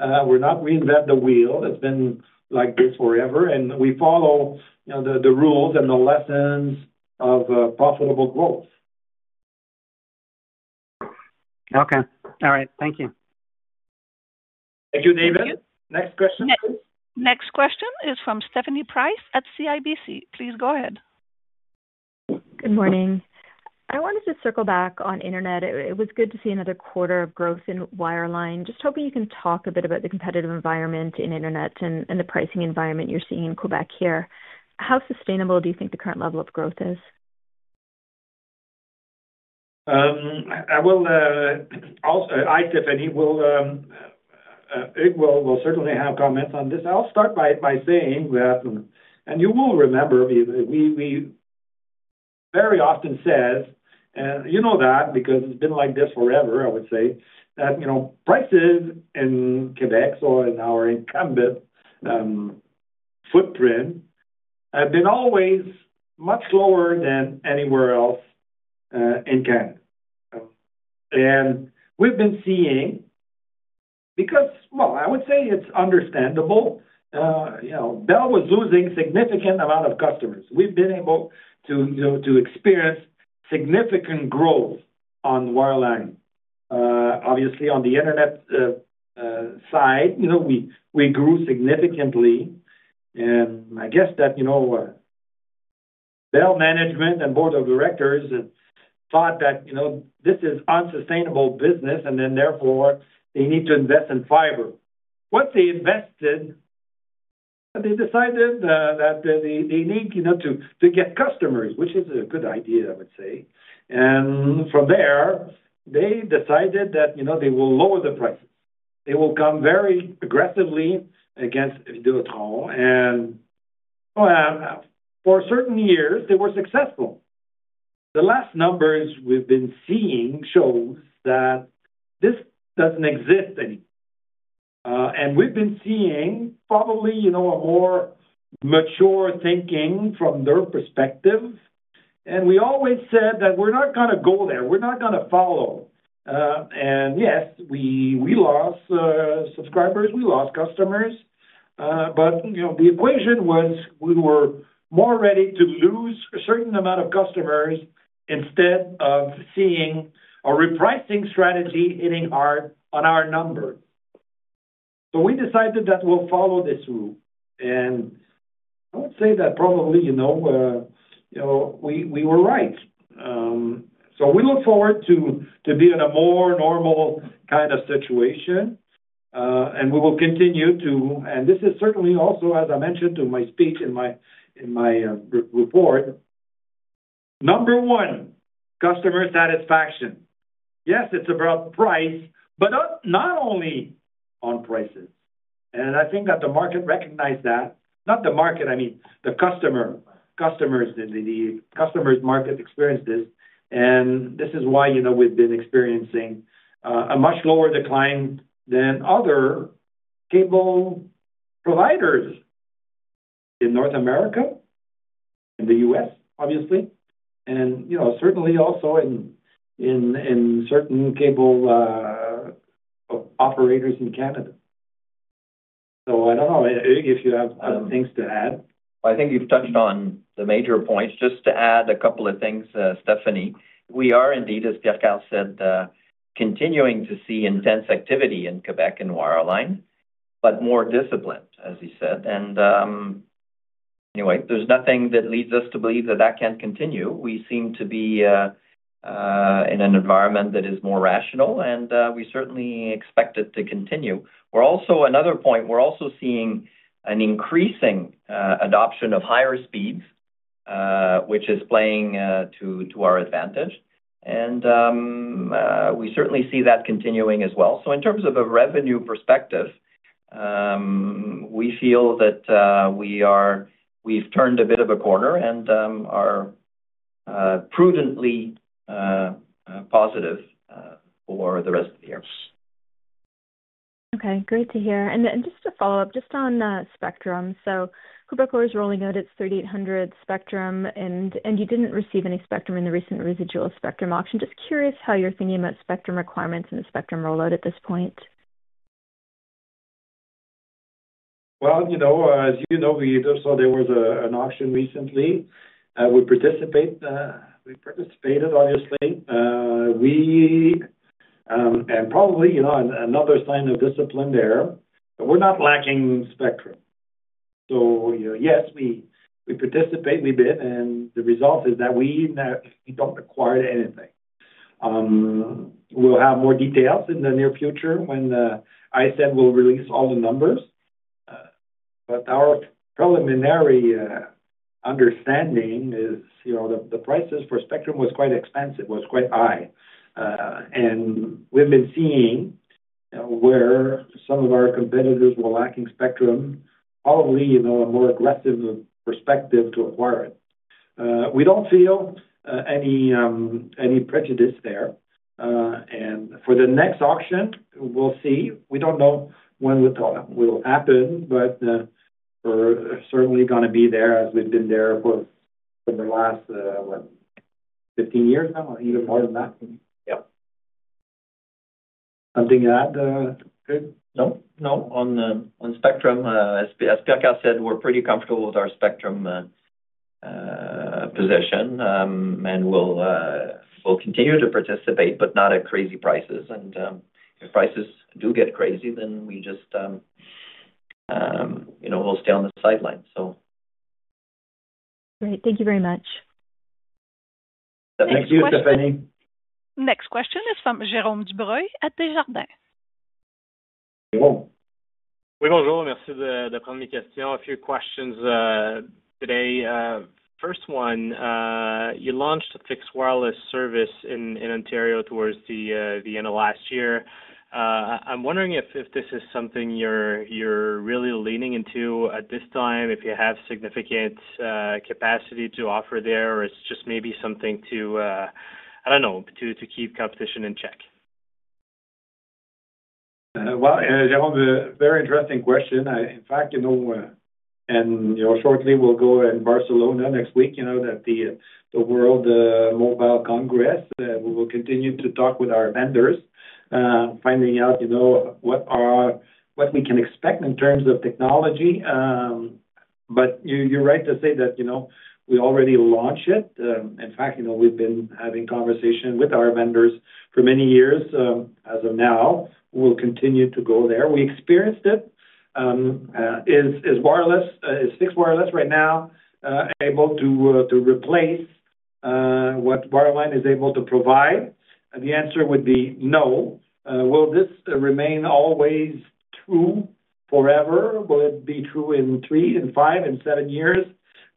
We're not reinvent the wheel. It's been like this forever, and we follow, you know, the rules and the lessons of profitable growth. Okay. All right. Thank you. Thank you, David. Next question, please. Next question is from Stephanie Price at CIBC. Please go ahead. Good morning. I wanted to circle back on internet. It was good to see another quarter of growth in wireline. Just hoping you can talk a bit about the competitive environment in internet and the pricing environment you're seeing in Quebec here. How sustainable do you think the current level of growth is? I will also. Hi, Stephanie. Well, Ig will certainly have comments on this. I'll start by saying that, and you will remember, we very often says, and you know that because it's been like this forever, I would say, that, you know, prices in Quebec or in our incumbent footprint, have been always much lower than anywhere else in Canada. We've been seeing. Well, I would say it's understandable. You know, Bell was losing significant amount of customers. We've been able to, you know, to experience significant growth on wireline. Obviously, on the internet side, you know, we grew significantly. I guess that, you know, Bell management and board of directors thought that, you know, this is unsustainable business, therefore, they need to invest in fiber. Once they invested, they decided that they need, you know, to get customers, which is a good idea, I would say. From there, they decided that, you know, they will lower the prices. They will come very aggressively against Videotron, and, well, for certain years, they were successful. The last numbers we've been seeing shows that this doesn't exist anymore. We've been seeing probably, you know, a more mature thinking from their perspective. We always said that we're not gonna go there, we're not gonna follow. And yes, we lost subscribers, we lost customers, but, you know, the equation was we were more ready to lose a certain amount of customers instead of seeing a repricing strategy hitting our, on our number. We decided that we'll follow this rule, and I would say that probably, you know, we were right. We look forward to be in a more normal kind of situation, and we will continue to. This is certainly also, as I mentioned to my speech in my report, number one, customer satisfaction. Yes, it's about price, but not only on prices. I think that the market recognized that. Not the market, I mean the customer. Customers, the customers market experienced this, and this is why, you know, we've been experiencing a much lower decline than other cable providers in North America, in the US, obviously, and, you know, certainly also in certain cable operators in Canada. I don't know if you have some things to add. I think you've touched on the major points. Just to add a couple of things, Stephanie, we are indeed, as Pierre-Karl said, continuing to see intense activity in Quebec and wireline, but more disciplined, as he said. Anyway, there's nothing that leads us to believe that that can't continue. We seem to be in an environment that is more rational, and we certainly expect it to continue. Another point, we're also seeing an increasing adoption of higher speeds, which is playing to our advantage. We certainly see that continuing as well. In terms of a revenue perspective, we feel that we've turned a bit of a corner and are prudently positive for the rest of the year. Okay, great to hear. Just to follow up, just on spectrum. Hubaco is rolling out its 3800 MHz spectrum, and you didn't receive any spectrum in the recent residual spectrum auction. Just curious how you're thinking about spectrum requirements and the spectrum rollout at this point. Well, you know, as you know, we saw there was an auction recently. We participate, we participated, obviously. We, and probably, you know, another sign of discipline there, but we're not lacking spectrum. Yes, we participate, we bid, and the result is that we don't acquire anything. We'll have more details in the near future when ISED will release all the numbers. Our preliminary understanding is, you know, the prices for spectrum was quite expensive, was quite high. We've been seeing where some of our competitors were lacking spectrum, probably, you know, a more aggressive perspective to acquire it. We don't feel any prejudice there. For the next auction, we'll see. We don't know when the trial will happen, but, we're certainly gonna be there, as we've been there for the last, what, 15 years now, or even more than that. Yeah. Something to add, Craig? No, no. On spectrum, as Pierre-Karl said, we're pretty comfortable with our spectrum position, and we'll continue to participate, but not at crazy prices. If prices do get crazy, then we just, you know, we'll stay on the sidelines, so. Great. Thank you very much. Thank you, Stephanie. Next question is from Jérome Dubreuil at Desjardins. Jerome. A few questions today. First one, you launched a fixed wireless service in Ontario towards the end of last year. I'm wondering if this is something you're really leaning into at this time, if you have significant capacity to offer there, or it's just maybe something to, I don't know, to keep competition in check? Well, Jerome, a very interesting question. In fact, you know, shortly, we'll go in Barcelona next week, you know, that the World Mobile Congress, we will continue to talk with our vendors, finding out, you know, what we can expect in terms of technology. You're right to say that, you know, we already launched it. In fact, you know, we've been having conversation with our vendors for many years. As of now, we'll continue to go there. We experienced it. Is fixed wireless right now able to replace what wireline is able to provide? The answer would be no. Will this remain always true forever? Will it be true in three, in five, in seven years?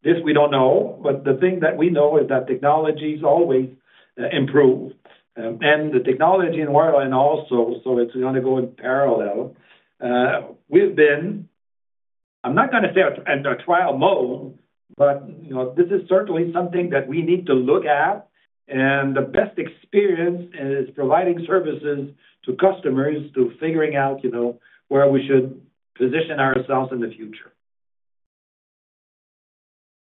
This we don't know, but the thing that we know is that technologies always improve, and the technology in wireline also, so it's gonna go in parallel. We've been, I'm not gonna say under trial mode, but, you know, this is certainly something that we need to look at, and the best experience is providing services to customers, to figuring out, you know, where we should position ourselves in the future.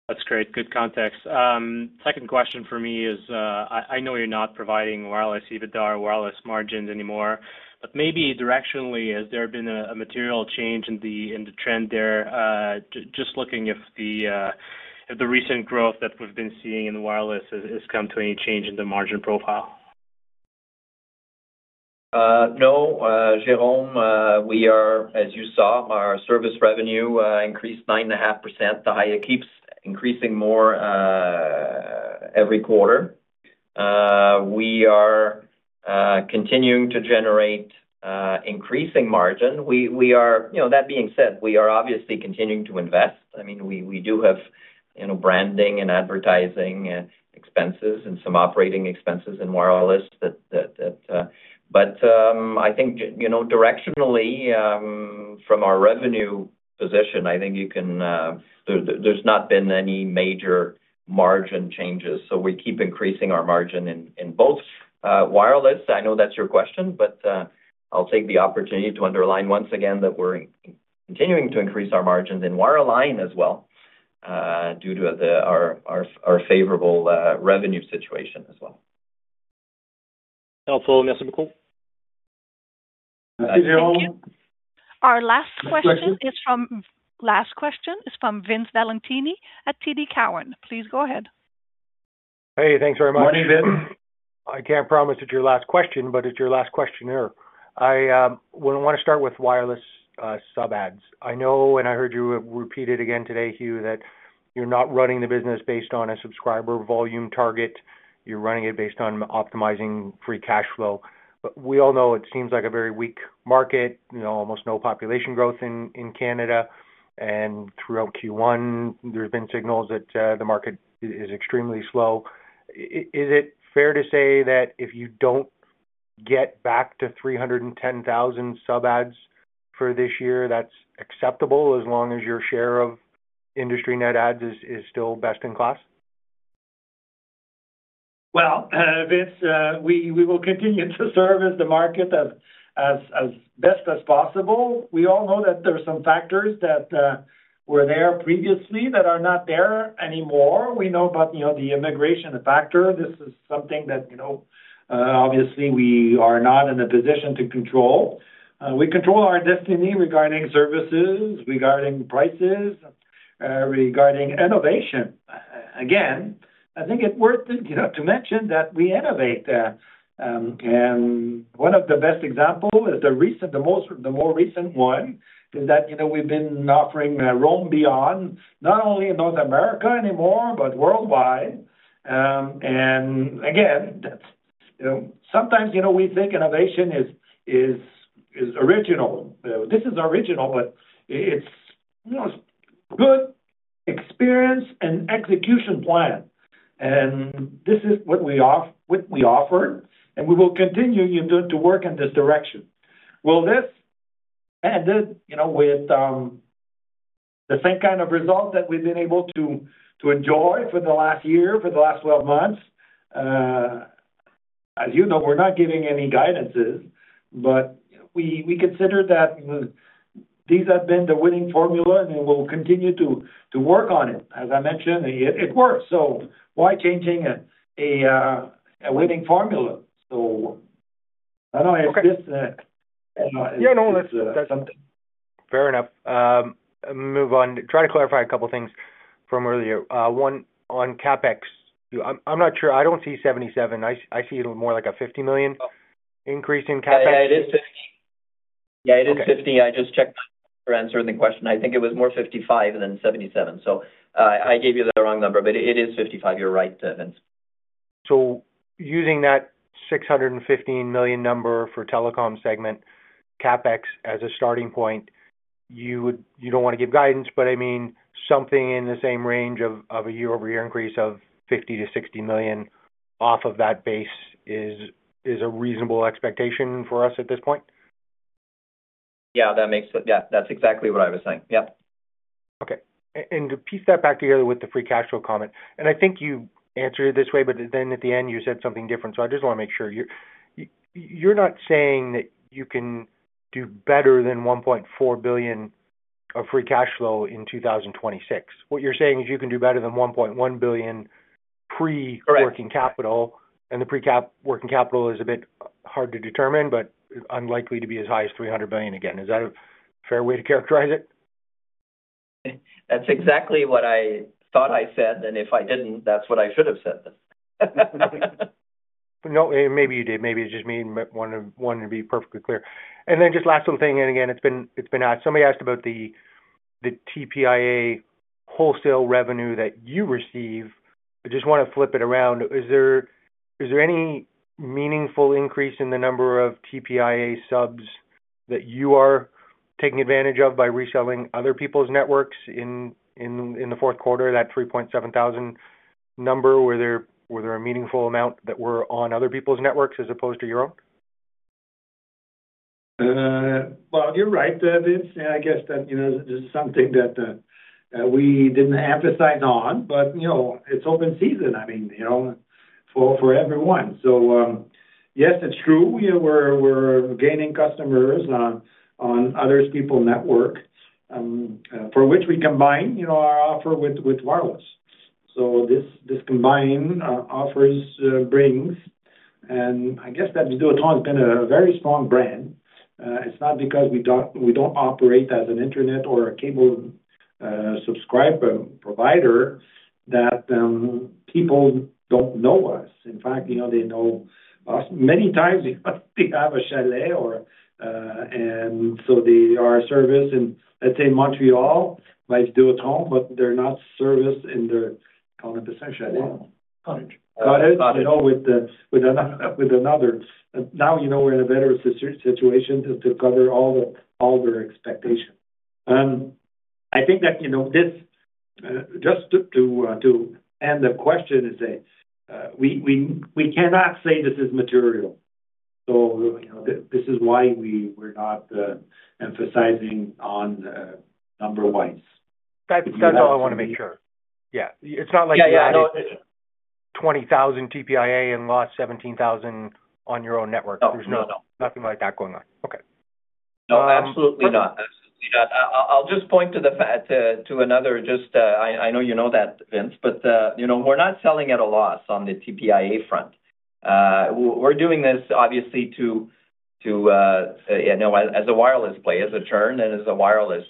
That's great. Good context. Second question for me is, I know you're not providing wireless EBITDA or wireless margins anymore, but maybe directionally, has there been a material change in the trend there? Just looking if the recent growth that we've been seeing in wireless has come to any change in the margin profile. No, Jérome, we are, as you saw, our service revenue increased 9.5%. It keeps increasing more every quarter. We are continuing to generate increasing margin. We are, you know, that being said, we are obviously continuing to invest. I mean, we do have, you know, branding and advertising expenses and some operating expenses in wireless that. I think, you know, directionally, from our revenue position, I think you can, there's not been any major margin changes. We keep increasing our margin in both wireless. I know that's your question, I'll take the opportunity to underline once again that we're continuing to increase our margins in wireline as well, due to our favorable revenue situation as well. Merci beaucoup. Thank you. Our last question is from Vince Valentini at TD Cowen. Please go ahead. Hey, thanks very much. Morning, Vince. I can't promise it's your last question, but it's your last question here. Well, I wanna start with wireless sub adds. I know, and I heard you repeat it again today, Hugh, that you're not running the business based on a subscriber volume target. You're running it based on optimizing free cash flow. We all know it seems like a very weak market, you know, almost no population growth in Canada. Throughout Q1, there have been signals that the market is extremely slow. Is it fair to say that if you don't get back to 310,000 sub adds for this year, that's acceptable, as long as your share of industry net adds is still best in class? Well, Vince, we will continue to service the market as best as possible. We all know that there are some factors that were there previously that are not there anymore. We know about, you know, the immigration factor. This is something that, you know, obviously, we are not in a position to control. We control our destiny regarding services, regarding prices, regarding innovation. Again, I think it's worth, you know, to mention that we innovate. One of the best example, the recent, the more recent one is that, you know, we've been offering Roam Beyond, not only in North America anymore, but worldwide. Again, that's, you know. Sometimes, you know, we think innovation is original. This is original, but it's, you know, good experience and execution plan. This is what we offer, and we will continue to work in this direction. Will this end it, you know, with the same kind of result that we've been able to enjoy for the last year, for the last 12 months? As you know, we're not giving any guidances, but we consider that these have been the winning formula, and we will continue to work on it. As I mentioned, it works, so why changing a winning formula? I know it's just, Yeah, no, that's fair enough. Move on. Try to clarify a couple of things from earlier. One, on CapEx. I'm not sure. I don't see 77. I see it more like a 50 million increase in CapEx. Yeah, it is 50. Yeah, it is 50. Okay. I just checked to answer the question. I think it was more 55 than 77. I gave you the wrong number, but it is 55. You're right, Vince. Using that 615 million number for telecom segment, CapEx, as a starting point, you don't wanna give guidance, but I mean, something in the same range of a year-over-year increase of 50 million-60 million off of that base is a reasonable expectation for us at this point? Yeah, that makes sense. Yeah, that's exactly what I was saying. Yep. Okay. To piece that back together with the free cash flow comment, and I think you answered it this way, but then at the end, you said something different, so I just wanna make sure. You're not saying that you can do better than 1.4 billion of free cash flow in 2026. What you're saying is you can do better than 1.1 billion pre- Correct... working capital, and the pre-cap working capital is a bit hard to determine, but unlikely to be as high as 300 billion again. Is that a fair way to characterize it? That's exactly what I thought I said, and if I didn't, that's what I should have said. No, maybe you did. Maybe it's just me, but wanted to be perfectly clear. Just last little thing, again, it's been asked. Somebody asked about the TPIA wholesale revenue that you receive. I just wanna flip it around. Is there any meaningful increase in the number of TPIA subs that you are taking advantage of by reselling other people's networks in the Q4, that 3,700 number? Were there a meaningful amount that were on other people's networks as opposed to your own? Well, you're right, Vince. I guess that, you know, this is something that we didn't emphasize on, but, you know, it's open season. I mean, you know, for everyone. Yes, it's true. We're gaining customers on others people network, for which we combine, you know, our offer with wireless. This combined offers, brings, and I guess that Videotron has been a very strong brand. It's not because we don't operate as an internet or a cable subscriber provider, that people don't know us. In fact, you know, they know us. Many times, they have a chalet or our service in, let's say, Montreal, like Videotron, but they're not serviced in their, call it, the chalet. Cottage. You know, with the, with another... Now, we're in a better situation to cover all their expectations. I think that this just to end the question and say we cannot say this is material. This is why we were not emphasizing on number-wise. That's all I wanna make sure. Yeah. It's not. Yeah, yeah, no.... 20,000 TPIA and lost 17,000 on your own network. No, no. Nothing like that going on. Okay. No, absolutely not. Absolutely not. I'll just point to the fact, to another just, I know you know that, Vince, but, you know, we're not selling at a loss on the TPIA front. We're doing this obviously to, you know, as a wireless play, as a churn, and as a wireless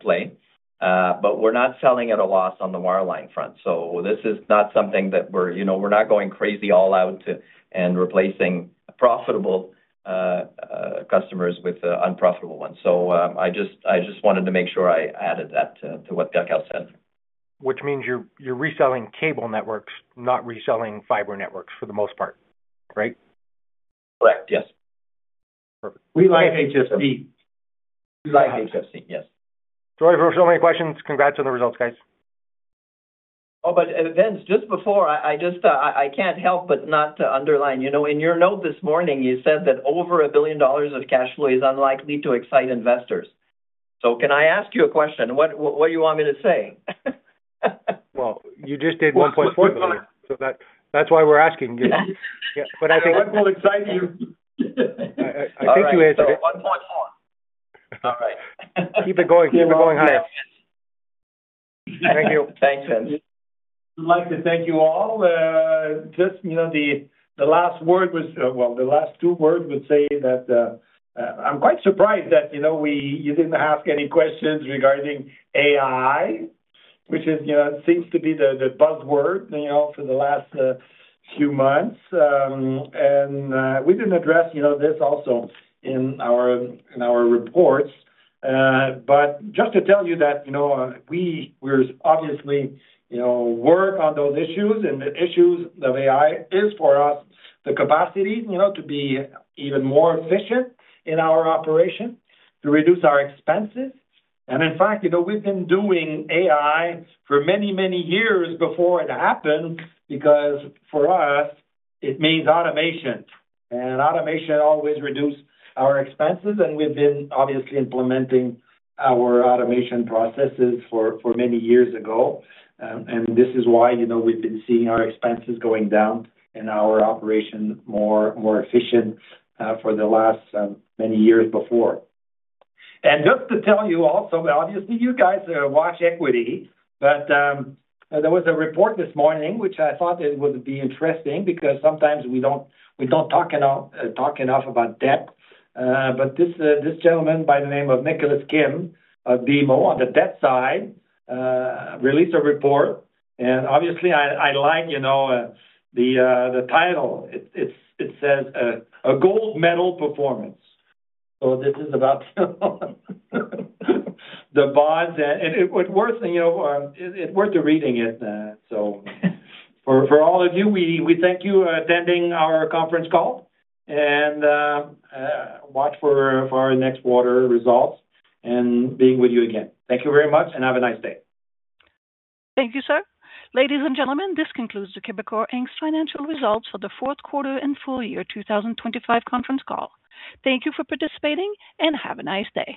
play. We're not selling at a loss on the wireline front. This is not something that we're, you know, we're not going crazy all out to, and replacing profitable customers with unprofitable ones. I just wanted to make sure I added that to what Gaukhel said. Which means you're reselling cable networks, not reselling fiber networks for the most part, right? Correct, yes. Perfect. We like HFC. We like HFC, yes. Sorry for so many questions. Congrats on the results, guys. But, Vince, just before I can't help but not to underline. You know, in your note this morning, you said that over 1 billion dollars of cash flow is unlikely to excite investors. Can I ask you a question? What do you want me to say? Well, you just did $1.4 billion, that's why we're asking you. I think- What will excite you? I think you answered it. 1.1. All right. Keep it going, keep it going higher. Yes. Thank you. Thanks, Vince. We'd like to thank you all. Just, you know, the last word was... Well, the last two words would say that, I'm quite surprised that, you know, you didn't ask any questions regarding AI, which is, you know, seems to be the buzzword, you know, for the last, few months. We didn't address, you know, this also in our, in our reports. Just to tell you that, you know, we're obviously, you know, work on those issues, and the issues of AI is, for us, the capacity, you know, to be even more efficient in our operation, to reduce our expenses. In fact, you know, we've been doing AI for many, many years before it happened, because for us, it means automation. Automation always reduce our expenses, and we've been obviously implementing our automation processes for many years ago. This is why, you know, we've been seeing our expenses going down and our operation more efficient for the last many years before. Just to tell you also, obviously, you guys watch equity, but there was a report this morning which I thought it would be interesting, because sometimes we don't talk enough about debt. This gentleman by the name of Nicholas Kim of BMO, on the debt side, released a report, and obviously, I like, you know, the title. It says, "A gold medal performance." This is about the bonds, and it worth, you know, reading it. For all of you, we thank you attending our conference call, and watch for our next quarter results and being with you again. Thank you very much, and have a nice day. Thank you, sir. Ladies and gentlemen, this concludes the Quebecor Inc.'s financial results for the Q4 and full year 2025 conference call. Thank you for participating, and have a nice day.